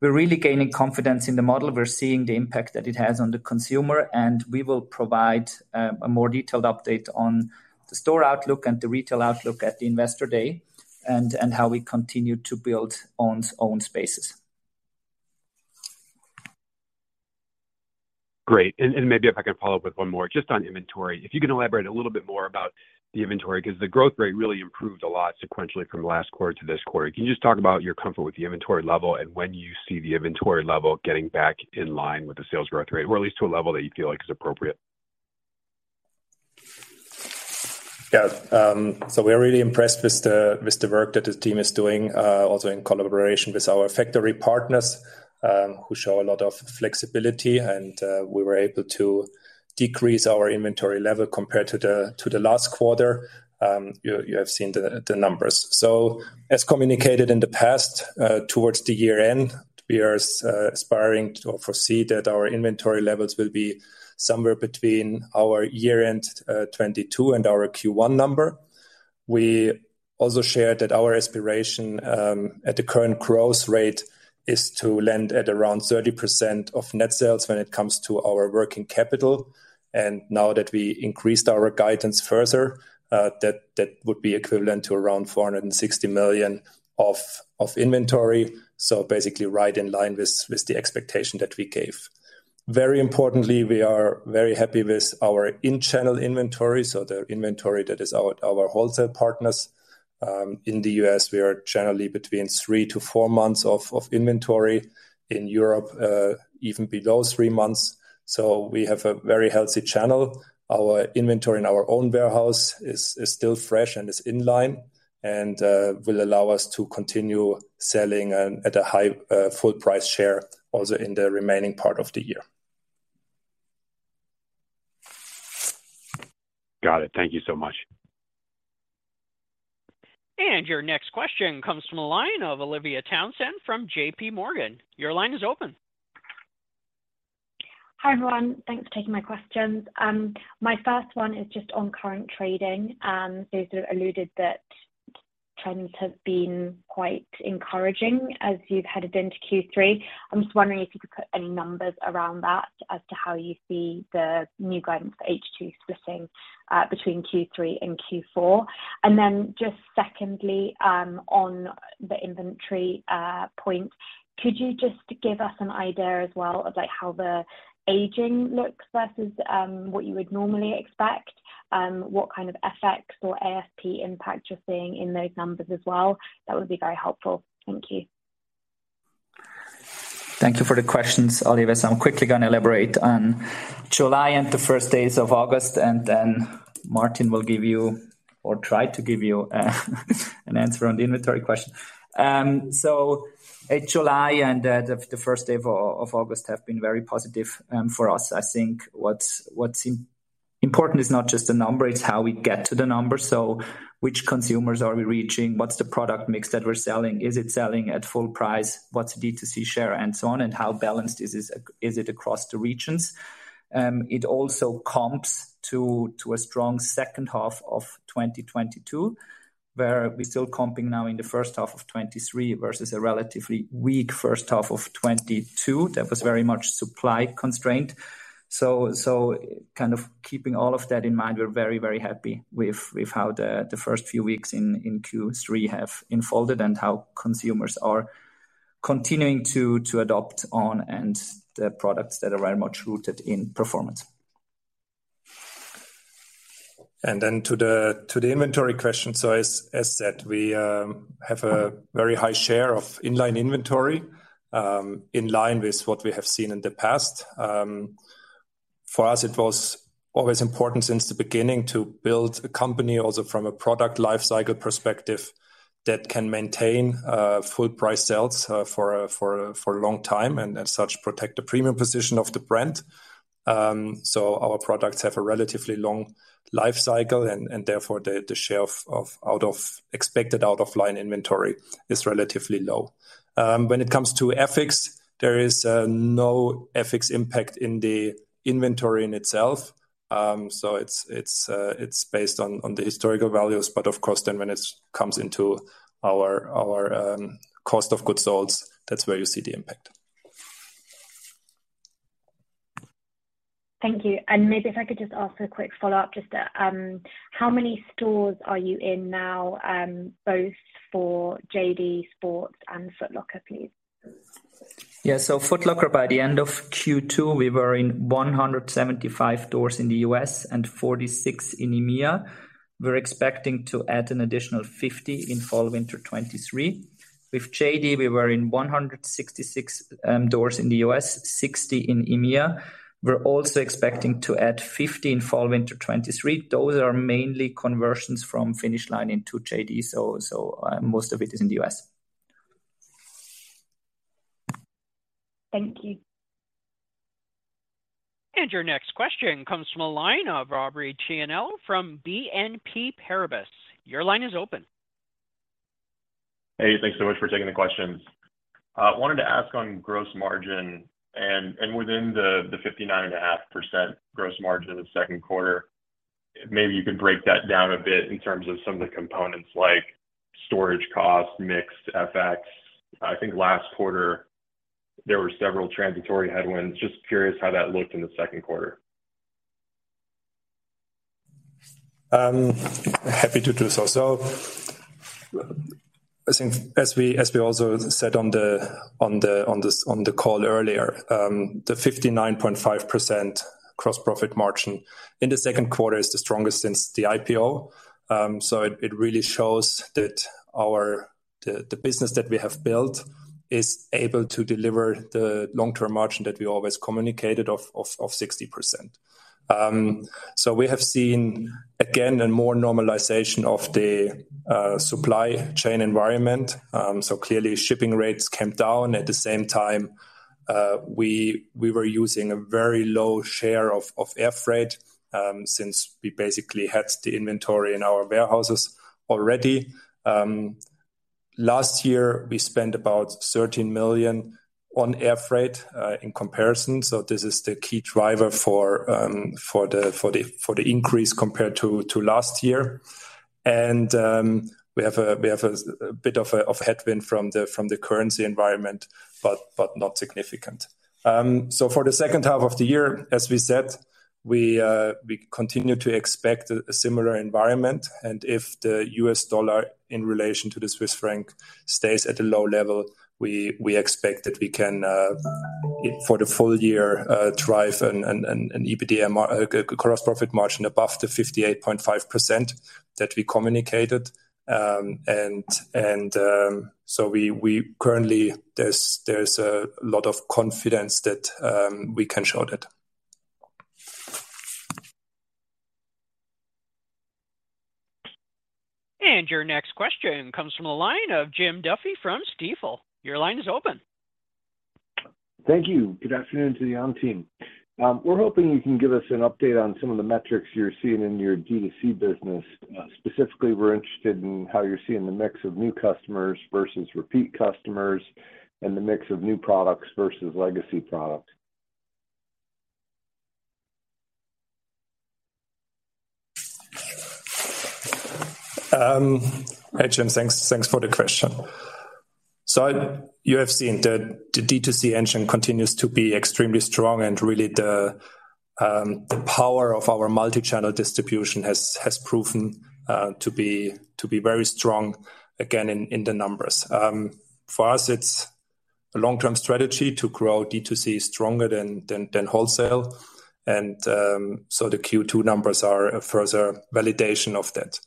We're really gaining confidence in the model. We're seeing the impact that it has on the consumer, and we will provide a more detailed update on the store outlook and the retail outlook at the Investor Day, and how we continue to build On's own spaces. Great. Maybe if I can follow up with one more, just on inventory. If you can elaborate a little bit more about the inventory, 'cause the growth rate really improved a lot sequentially from last quarter to this quarter. Can you just talk about your comfort with the inventory level and when you see the inventory level getting back in line with the sales growth rate, or at least to a level that you feel like is appropriate? Yeah, we are really impressed with the work that the team is doing, also in collaboration with our factory partners, who show a lot of flexibility, and we were able to decrease our inventory level compared to the last quarter. You have seen the numbers. As communicated in the past, towards the year end, we are aspiring to foresee that our inventory levels will be somewhere between our year-end 2022 and our Q1 number. We also shared that our aspiration, at the current growth rate, is to land at around 30% of net sales when it comes to our working capital, and now that we increased our guidance further, that would be equivalent to around 460 million of inventory. Basically, right in line with the expectation that we gave. Very importantly, we are very happy with our in-channel inventory, so the inventory that is our, our wholesale partners. In the U.S., we are generally between 3-4 months of, of inventory. In Europe, even below 3 months. We have a very healthy channel. Our inventory in our own warehouse is still fresh and is in line. Will allow us to continue selling at a high full price share also in the remaining part of the year. Got it. Thank you so much. Your next question comes from the line of Olivia Townsend from J.P. Morgan. Your line is open. Hi, everyone. Thanks for taking my questions. My first one is just on current trading. These are alluded that trends have been quite encouraging as you've headed into Q3. I'm just wondering if you could put any numbers around that as to how you see the new guidance for H2 splitting, between Q3 and Q4? Then just secondly, on the inventory, point, could you just give us an idea as well of, like, how the aging looks versus, what you would normally expect? What kind of effects or AFP impact you're seeing in those numbers as well? That would be very helpful. Thank you. Thank you for the questions, Olivia. I'm quickly gonna elaborate on July and the first days of August, and then Martin will give you or try to give you, an answer on the inventory question. At July and the, the first day of, of August have been very positive for us. I think what's important is not just the number, it's how we get to the number. Which consumers are we reaching? What's the product mix that we're selling? Is it selling at full price? What's the D2C share, and so on, and how balanced is it across the regions? It also comps to a strong second half of 2022, where we're still comping now in the first half of 2023 versus a relatively weak first half of 2022. That was very much supply constraint. so kind of keeping all of that in mind, we're very, very happy with, with how the, the first few weeks in, in Q3 have unfolded and how consumers are continuing to, to adopt On, and the products that are very much rooted in performance. Then to the, to the inventory question. As, as said, we have a very high share of in-line inventory, in line with what we have seen in the past. For us, it was always important since the beginning, to build a company also from a product lifecycle perspective that can maintain full price sales for a, for a, for a long time, and as such, protect the premium position of the brand. So our products have a relatively long lifecycle and, and therefore, the, the share of, of expected out of line inventory is relatively low. When it comes to FX, there is no FX impact in the inventory in itself. It's based on the historical values, but of course, then when it comes into our cost of goods sold, that's where you see the impact. Thank you. Maybe if I could just ask a quick follow-up, just, how many stores are you in now, both for JD Sports and Foot Locker, please? Yeah. Foot Locker, by the end of Q2, we were in 175 stores in the US and 46 in EMEA. We're expecting to add an additional 50 in fall/winter 2023. With JD, we were in 166 stores in the US, 60 in EMEA. We're also expecting to add 50 in fall/winter 2023. Those are mainly conversions from Finish Line into JD, so, so, most of it is in the US. Thank you. Your next question comes from the line of Aubrey Tianello from BNP Paribas. Your line is open. Hey, thanks so much for taking the questions. I wanted to ask on gross margin and, and within the, the 59.5% gross margin in the second quarter, maybe you could break that down a bit in terms of some of the components like storage costs, mix, FX. I think last quarter there were several transitory headwinds. Just curious how that looked in the second quarter. Happy to do so. I think as we, as we also said on the, on the, on the, on the call earlier, the 59.5% gross profit margin in the second quarter is the strongest since the IPO. It, it really shows that our the, the business that we have built is able to deliver the long-term margin that we always communicated of, of, of 60%. We have seen, again, a more normalization of the supply chain environment. Clearly, shipping rates came down. At the same time, we, we were using a very low share of, of air freight since we basically had the inventory in our warehouses already. Last year, we spent about 13 million on air freight in comparison. This is the key driver for the increase compared to last year. We have a, we have a bit of a headwind from the currency environment, but not significant. For the second half of the year, as we said, we continue to expect a similar environment, and if the US dollar in relation to the Swiss franc stays at a low level, we expect that we can for the full year drive a gross profit margin above the 58.5% that we communicated. We currently there's a lot of confidence that we can show that. Your next question comes from the line of Jim Duffy from Stifel. Your line is open. Thank you. Good afternoon to the On team. We're hoping you can give us an update on some of the metrics you're seeing in your D2C business. Specifically, we're interested in how you're seeing the mix of new customers versus repeat customers, and the mix of new products versus legacy products. Hi, Jim. Thanks, thanks for the question. You have seen that the D2C engine continues to be extremely strong, and really, the power of our multi-channel distribution has, has proven to be very strong, again, in the numbers. For us, it's a long-term strategy to grow D2C stronger than, than, than wholesale, and the Q2 numbers are a further validation of that.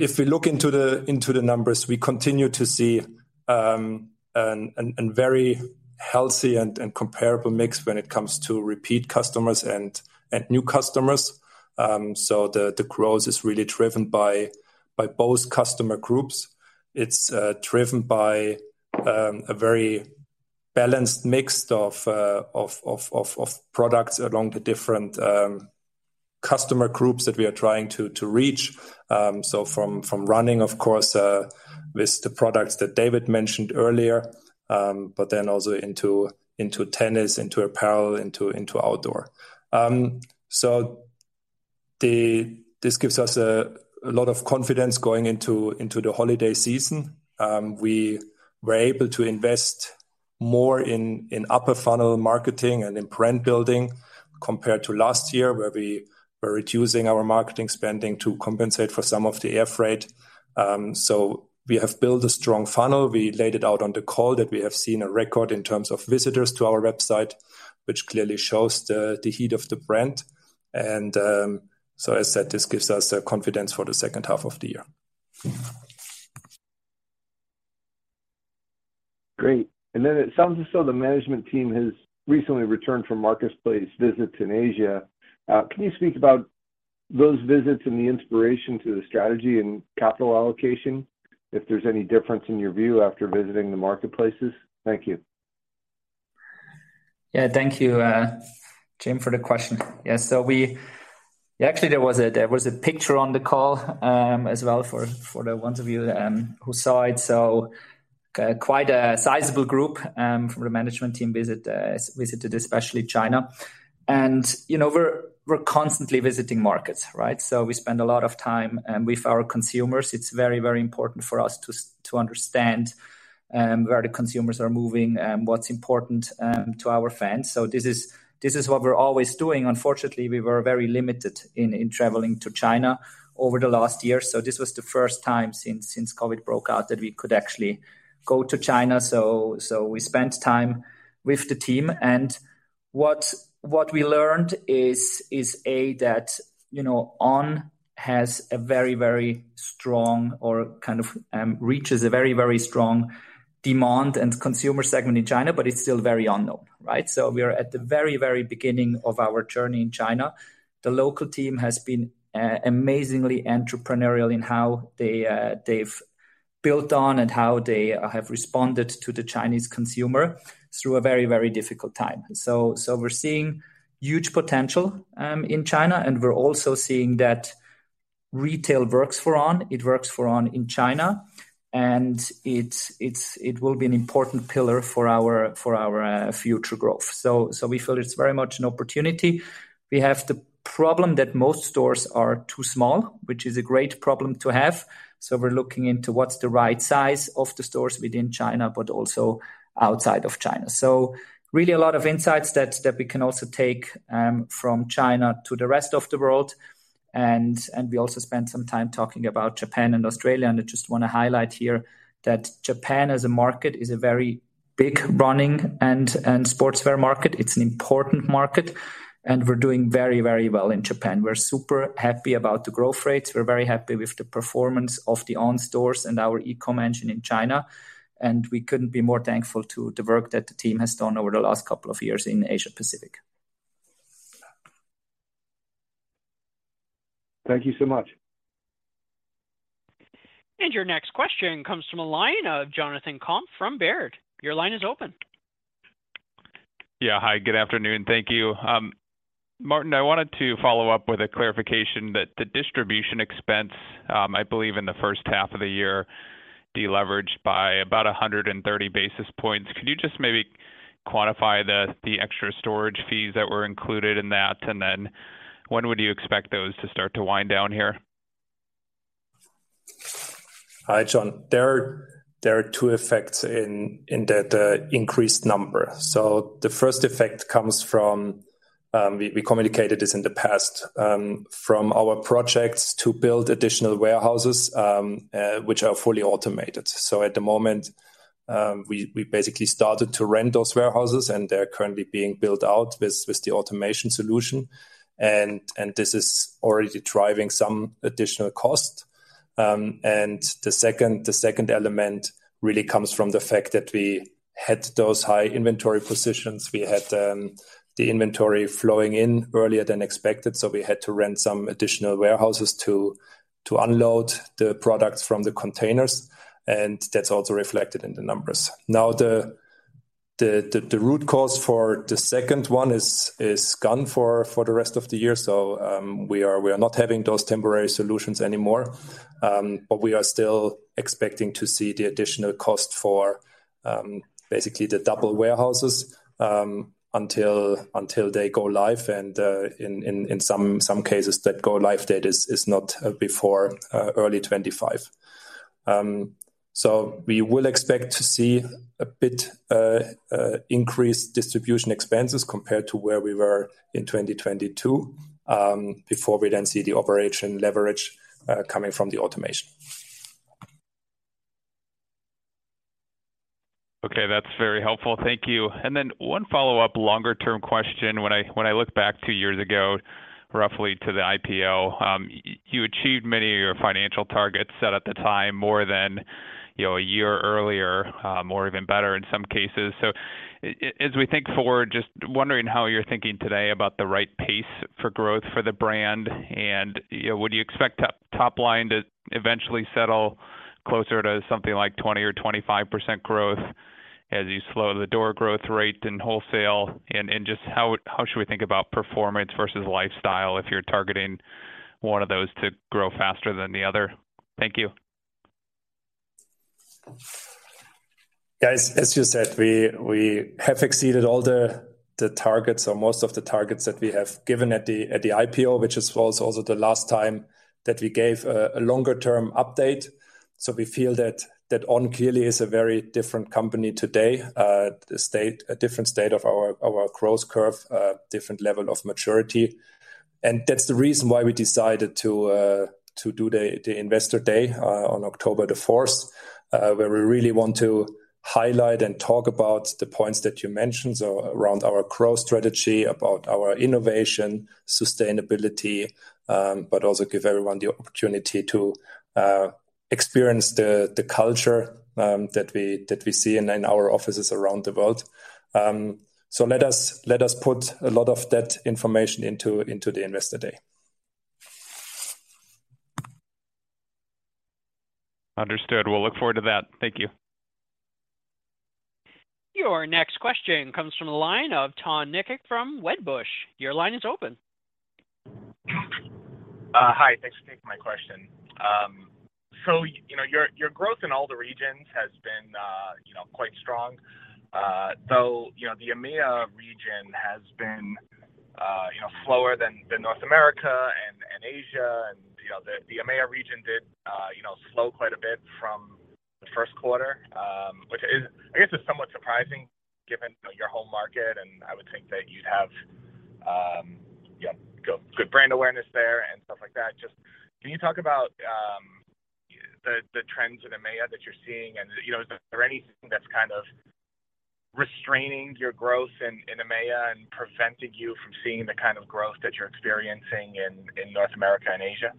If we look into the, into the numbers, we continue to see a very healthy and comparable mix when it comes to repeat customers and new customers. The growth is really driven by, by both customer groups. It's driven by a very balanced mix of products along the different customer groups that we are trying to reach. From, from running, of course, with the products that David mentioned earlier, but then also into, into tennis, into apparel, into, into outdoor. This gives us a lot of confidence going into, into the holiday season. We were able to invest more in, in upper funnel marketing and in brand building compared to last year, where we were reducing our marketing spending to compensate for some of the air freight. We have built a strong funnel. We laid it out on the call, that we have seen a record in terms of visitors to our website, which clearly shows the, the heat of the brand. As I said, this gives us the confidence for the second half of the year. Great. It sounds as though the management team has recently returned from marketplace visits in Asia. Can you speak about those visits and the inspiration to the strategy and capital allocation, if there's any difference in your view after visiting the marketplaces? Thank you. Yeah. Thank you, Jim, for the question. Yeah. Actually, there was a picture on the call, as well, for the ones of you, who saw it. Quite a sizable group, from the management team visited, especially China. You know, we're constantly visiting markets, right? We spend a lot of time, with our consumers. It's very, very important for us to understand, where the consumers are moving and what's important, to our fans. This is what we're always doing. Unfortunately, we were very limited in traveling to China over the last year, so this was the first time since COVID broke out that we could actually go to China. We spent time with the team, and what, what we learned is, is, A, that, you know, On has a very, very strong or kind of, reaches a very, very strong demand and consumer segment in China, but it's still very unknown, right? We are at the very, very beginning of our journey in China. The local team has been amazingly entrepreneurial in how they, they've built On and how they have responded to the Chinese consumer through a very, very difficult time. We're seeing huge potential in China, and we're also seeing that retail works for On. It works for On in China, and it's, it's, it will be an important pillar for our, for our, future growth. We feel it's very much an opportunity. We have the problem that most stores are too small, which is a great problem to have. We're looking into what's the right size of the stores within China, but also outside of China. Really a lot of insights that, that we can also take from China to the rest of the world. We also spent some time talking about Japan and Australia, and I just want to highlight here that Japan, as a market, is a very big running and, and sportswear market. It's an important market, and we're doing very, very well in Japan. We're super happy about the growth rates. We're very happy with the performance of the On stores and our E-com engine in China, and we couldn't be more thankful to the work that the team has done over the last couple of years in Asia Pacific. Thank you so much. Your next question comes from the line of Jonathan Komp from Baird. Your line is open. Yeah. Hi, good afternoon. Thank you. Martin, I wanted to follow up with a clarification that the distribution expense, I believe in the first half of the year, deleveraged by about 130 basis points. Could you just maybe quantify the, the extra storage fees that were included in that? When would you expect those to start to wind down here? Hi, John. There are, there are two effects in, in that increased number. The first effect comes from, we, we communicated this in the past, from our projects to build additional warehouses, which are fully automated. At the moment, we, we basically started to rent those warehouses, and they're currently being built out with, with the automation solution. This is already driving some additional cost. The second, the second element really comes from the fact that we had those high inventory positions. We had, the inventory flowing in earlier than expected, so we had to rent some additional warehouses to, to unload the products from the containers, and that's also reflected in the numbers. Now, the, the, the, the root cause for the second one is, is gone for, for the rest of the year. We are not having those temporary solutions anymore. We are still expecting to see the additional cost for basically the double warehouses until they go live and in some cases, that go live date is not before early 2025. We will expect to see a bit increased distribution expenses compared to where we were in 2022 before we then see the operation leverage coming from the automation. Okay, that's very helpful. Thank you. One follow-up, longer-term question. When I, when I look back 2 years ago, roughly to the IPO. You achieved many of your financial targets set at the time, more than, you know, a year earlier or even better in some cases. As we think forward, just wondering how you're thinking today about the right pace for growth for the brand, and, you know, would you expect the top line to eventually settle closer to something like 20% or 25% growth as you slow the door growth rate in wholesale? Just how should we think about performance versus lifestyle if you're targeting one of those to grow faster than the other? Thank you. Guys, as you said, we have exceeded all the targets or most of the targets that we have given at the IPO, which was also the last time that we gave a longer term update. We feel that On clearly is a very different company today, a different state of our growth curve, different level of maturity. That's the reason why we decided to do the Investor Day on October the fourth, where we really want to highlight and talk about the points that you mentioned, so around our growth strategy, about our innovation, sustainability, but also give everyone the opportunity to experience the culture that we see in our offices around the world. Let us, let us put a lot of that information into, into the Investor Day. Understood. We'll look forward to that. Thank you. Your next question comes from the line of Tom Nikic from Wedbush. Your line is open. Hi, thanks for taking my question. You know, your, your growth in all the regions has been, you know, quite strong. Though, you know, the EMEA region has been, you know, slower than North America and Asia, and, you know, the EMEA region did, you know, slow quite a bit from the first quarter. Which is, I guess, is somewhat surprising given, you know, your home market, and I would think that you'd have good brand awareness there and stuff like that. Just can you talk about the trends in EMEA that you're seeing? You know, is there anything that's kind of restraining your growth in EMEA and preventing you from seeing the kind of growth that you're experiencing in North America and Asia?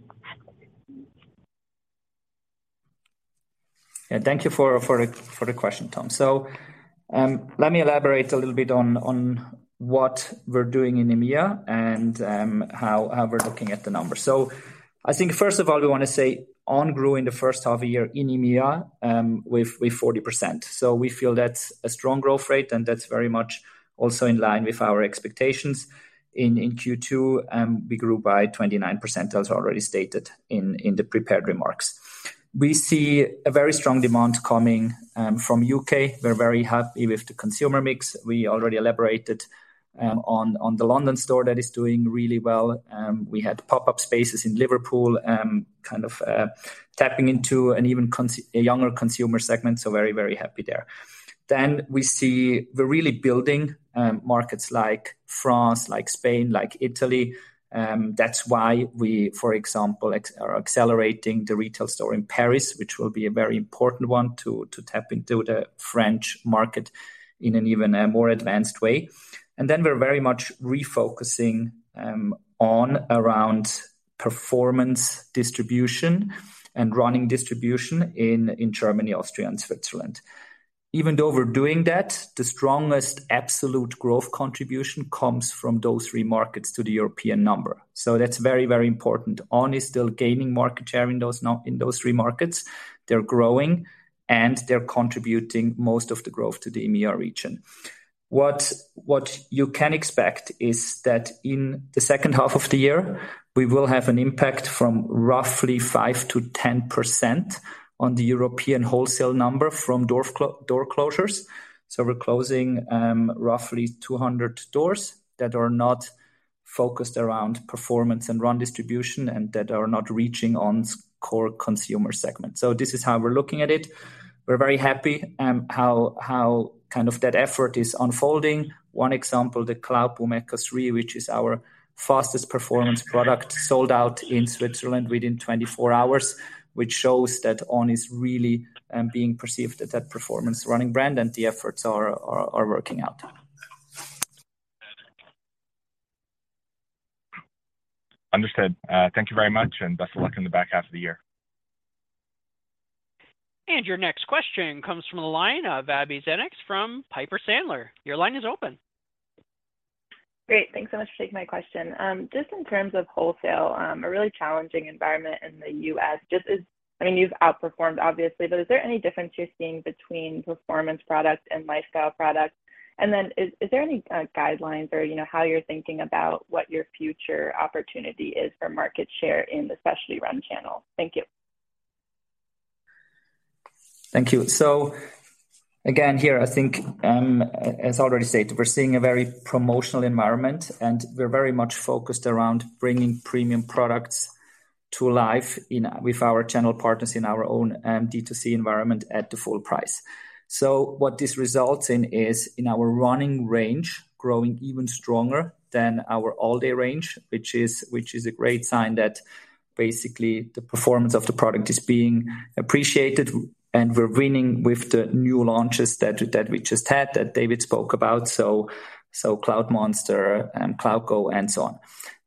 Yeah. Thank you for, for the, for the question, Tom. Let me elaborate a little bit on, on what we're doing in EMEA and, how, how we're looking at the numbers. I think, first of all, we wanna say, On grew in the first half a year in EMEA, with, with 40%. We feel that's a strong growth rate, and that's very much also in line with our expectations. In, in Q2, we grew by 29%, as already stated in, in the prepared remarks. We see a very strong demand coming, from U.K.. We're very happy with the consumer mix. We already elaborated, on, on the London store that is doing really well. We had pop-up spaces in Liverpool, kind of, tapping into an even a younger consumer segment, very, very happy there. We see we're really building markets like France, like Spain, like Italy. That's why we, for example, are accelerating the retail store in Paris, which will be a very important one to, to tap into the French market in an even more advanced way. We're very much refocusing on around performance distribution and running distribution in Germany, Austria, and Switzerland. Even though we're doing that, the strongest absolute growth contribution comes from those three markets to the European number. That's very, very important. On is still gaining market share in those in those three markets. They're growing, and they're contributing most of the growth to the EMEA region. What you can expect is that in the second half of the year, we will have an impact from roughly 5%-10% on the European wholesale number from door closures. We're closing, roughly 200 stores that are not focused around performance and run distribution and that are not reaching on core consumer segment. This is how we're looking at it. We're very happy, how kind of that effort is unfolding. One example, the Cloudboom Echo 3, which is our fastest performance product, sold out in Switzerland within 24 hours, which shows that On is really being perceived as that performance running brand and the efforts are, are, are working out. Understood. Thank you very much, and best of luck in the back half of the year. Your next question comes from the line of Abbie Zvejnieks from Piper Sandler. Your line is open. Great. Thanks so much for taking my question. Just in terms of wholesale, a really challenging environment in the U.S., just as-- I mean, you've outperformed obviously, but is there any difference you're seeing between performance products and lifestyle products? And then is there any guidelines or, you know, how you're thinking about what your future opportunity is for market share in the specialty run channel? Thank you. Thank you. Again, here, I think, as already stated, we're seeing a very promotional environment, and we're very much focused around bringing premium products to life in-- with our channel partners in our own D2C environment at the full price. What this results in is, in our running range, growing even stronger than our all-day range, which is, which is a great sign that basically the performance of the product is being appreciated, and we're winning with the new launches that, that we just had, that David spoke about. Cloudmonster and Cloudgo and so on.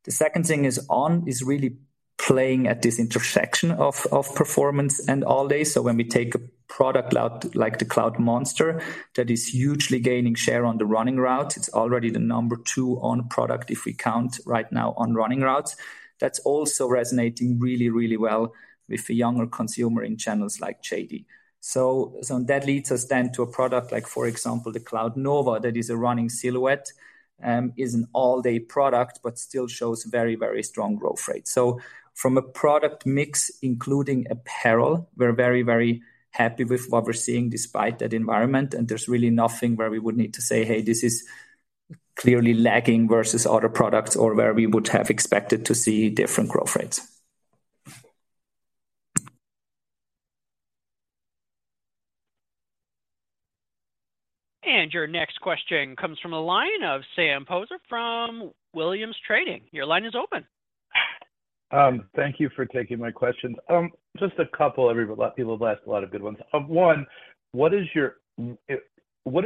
The second thing is On is really playing at this intersection of, of performance and all day. When we take a product cloud, like the Cloudmonster, that is hugely gaining share on the running route, it's already the number 2 On product, if we count right now on running routes. That's also resonating really, really well with the younger consumer in channels like JD. That leads us then to a product like, for example, the Cloudnova, that is a running silhouette, is an all-day product, but still shows very, very strong growth rate. From a product mix, including apparel, we're very, very happy with what we're seeing despite that environment, and there's really nothing where we would need to say, "Hey, this is clearly lagging versus other products," or where we would have expected to see different growth rates. Your next question comes from the line of Sam Poser from Williams Trading. Your line is open. Thank you for taking my question. Just a couple, people have asked a lot of good ones. One, what is your, like, what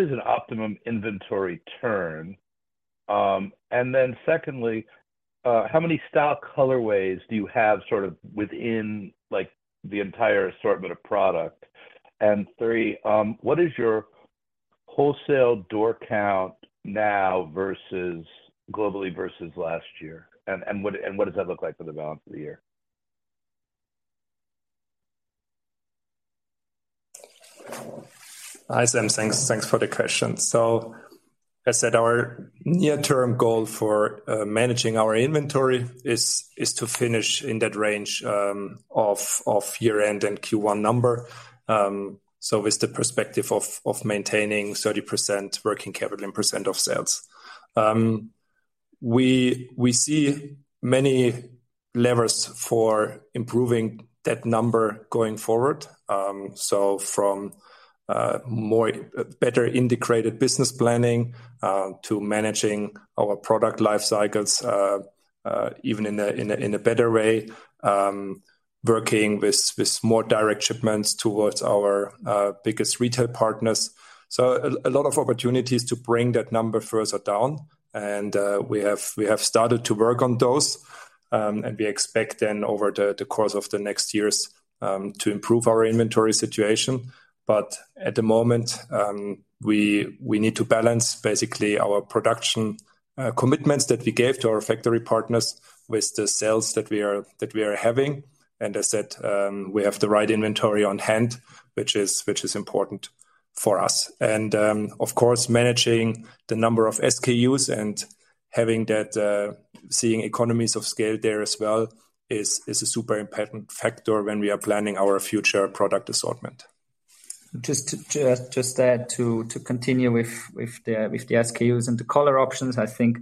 is an optimum inventory turn? Secondly, how many style colorways do you have sort of within, like, the entire assortment of product? Three, what is your wholesale door count now versus, globally versus last year? What does that look like for the balance of the year? Hi, Sam. Thanks, thanks for the question. I said our near-term goal for managing our inventory is to finish in that range of year-end and Q1 number, with the perspective of maintaining 30% working capital and percent of sales. We see many levers for improving that number going forward. From, more, better integrated business planning, to managing our product life cycles, even in a, in a, in a better way, working with, with more direct shipments towards our biggest retail partners. A lot of opportunities to bring that number further down, and we have, we have started to work on those, and we expect then over the course of the next years to improve our inventory situation. At the moment, we, we need to balance basically our production commitments that we gave to our factory partners with the sales that we are, that we are having. As I said, we have the right inventory on hand, which is, which is important for us. Of course, managing the number of SKUs and having that seeing economies of scale there as well is, is a super important factor when we are planning our future product assortment. Just to, just, just add to, to continue with, with the, with the SKUs and the color options, I think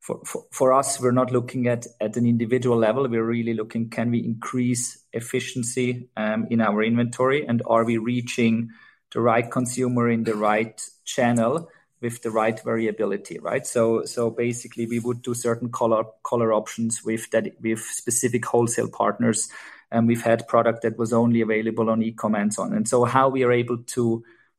for, for, for us, we're not looking at, at an individual level. We're really looking, can we increase efficiency in our inventory? Are we reaching the right consumer in the right channel with the right variability, right? Basically, we would do certain color, color options with that-- with specific wholesale partners, and we've had product that was only available on e-commerce on. So how we are able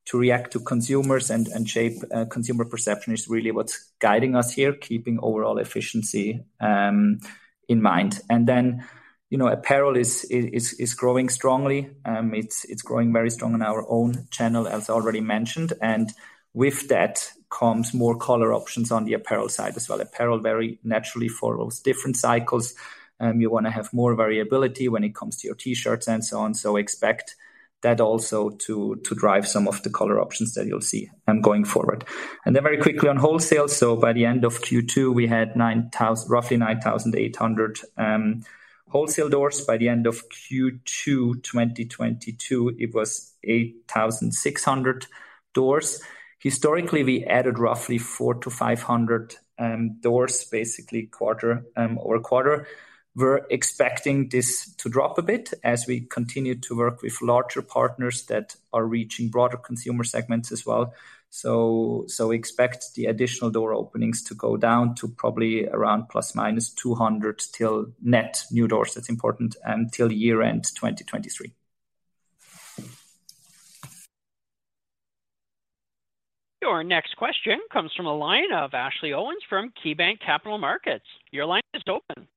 to, to react to consumers and, and shape consumer perception is really what's guiding us here, keeping overall efficiency in mind. Then, you know, apparel is, is, is growing strongly. It's, it's growing very strong in our own channel, as already mentioned. With that comes more color options on the apparel side as well. Apparel very naturally follows different cycles. You want to have more variability when it comes to your T-shirts and so on. Expect that also to, to drive some of the color options that you'll see going forward. Very quickly on wholesale, by the end of Q2, we had roughly 9,800 wholesale doors. By the end of Q2 2022, it was 8,600 doors. Historically, we added roughly 400-500 doors, basically quarter or quarter. We're expecting this to drop a bit as we continue to work with larger partners that are reaching broader consumer segments as well. So expect the additional door openings to go down to probably around ±200 till net new doors, that's important, till year end 2023. Your next question comes from the line of Ashley Owens from KeyBanc Capital Markets. Your line is open.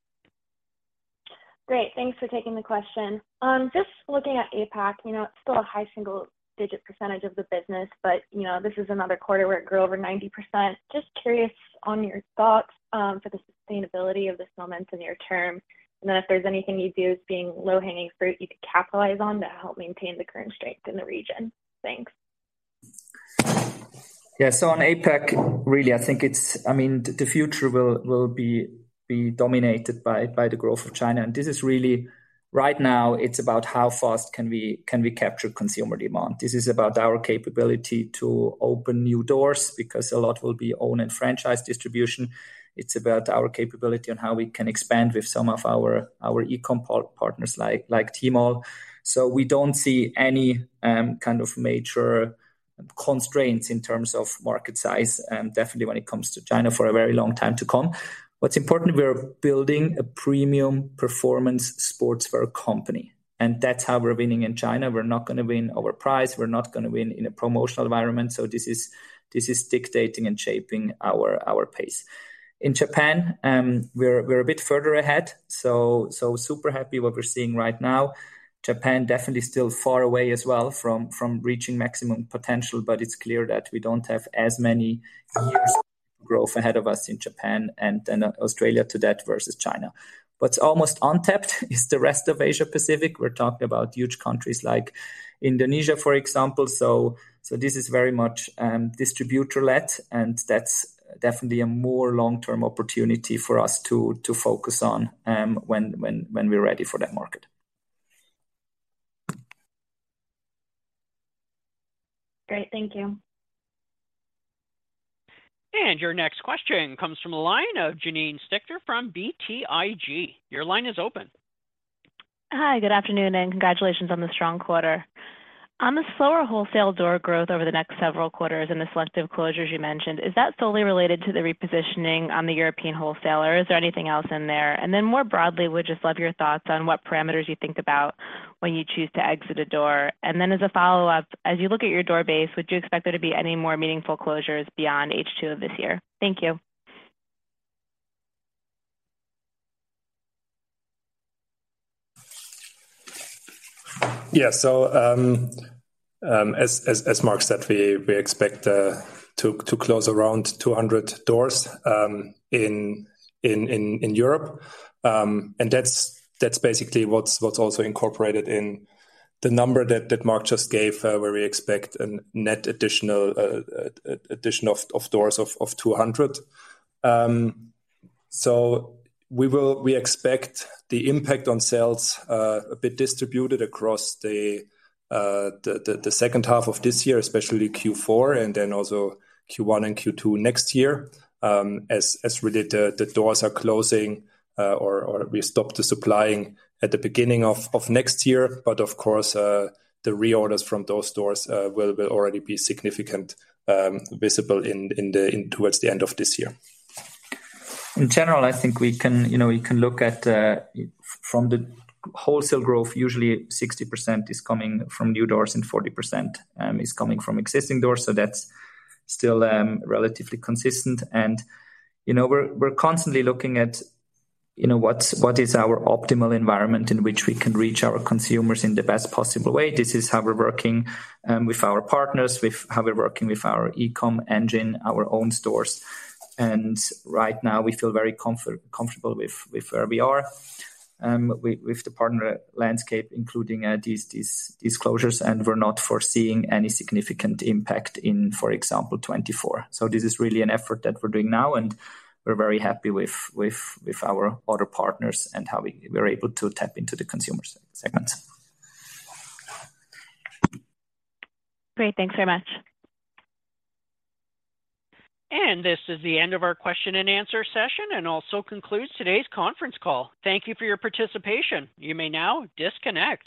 Great, thanks for taking the question. Just looking at APAC, you know, it's still a high single-digit % of the business, but, you know, this is another quarter where it grew over 90%. Just curious on your thoughts for the sustainability of this momentum near term, and then if there's anything you view as being low-hanging fruit you could capitalize on to help maintain the current strength in the region? Thanks. Yeah. On APAC, really, I think it's I mean, the future will be dominated by the growth of China. This is really, right now, it's about how fast can we capture consumer demand. This is about our capability to open new doors, because a lot will be owned and franchised distribution. It's about our capability and how we can expand with some of our e-com partners, like Tmall. We don't see any kind of major constraints in terms of market size, definitely when it comes to China, for a very long time to come. What's important, we are building a premium performance sportswear company, and that's how we're winning in China. We're not gonna win over price, we're not gonna win in a promotional environment, so this is dictating and shaping our pace. In Japan, we're, we're a bit further ahead, so, so super happy what we're seeing right now. Japan definitely still far away as well from, from reaching maximum potential, but it's clear that we don't have as many years growth ahead of us in Japan and, and Australia to that, versus China. What's almost untapped is the rest of Asia Pacific. We're talking about huge countries like Indonesia, for example. So this is very much distributor-led, and that's definitely a more long-term opportunity for us to, to focus on, when, when, when we're ready for that market. Great. Thank you. Your next question comes from the line of Janine Stichter from BTIG. Your line is open. Hi, good afternoon, and congratulations on the strong quarter. On the slower wholesale door growth over the next several quarters and the selective closures you mentioned, is that solely related to the repositioning on the European wholesaler, or is there anything else in there? More broadly, would just love your thoughts on what parameters you think about when you choose to exit a door. As a follow-up, as you look at your door base, would you expect there to be any more meaningful closures beyond H2 of this year? Thank you. So, as, as, as Marc said, we expect to close around 200 doors in Europe. That's, that's basically what's, what's also incorporated in the number that, that Marc just gave, where we expect a net additional addition of doors of 200. We will-- we expect the impact on sales a bit distributed across the second half of this year, especially Q4, and then also Q1 and Q2 next year, as, as really the, the doors are closing or, or we stop the supplying at the beginning of next year. Of course, the reorders from those stores will, will already be significant visible in, in the-- towards the end of this year. In general, I think we can, you know, we can look at, from the wholesale growth, usually 60% is coming from new doors, and 40% is coming from existing doors, so that's still relatively consistent. You know, we're, we're constantly looking at, you know, what is our optimal environment in which we can reach our consumers in the best possible way. This is how we're working with our partners, with how we're working with our e-com engine, our own stores. Right now, we feel very comfortable with, with where we are, with, with the partner landscape, including these, these, these closures, and we're not foreseeing any significant impact in, for example, 2024. This is really an effort that we're doing now, and we're very happy with, with, with our other partners and how we're able to tap into the consumer segments. Great. Thanks very much. This is the end of our question and answer session, and also concludes today's conference call. Thank you for your participation. You may now disconnect.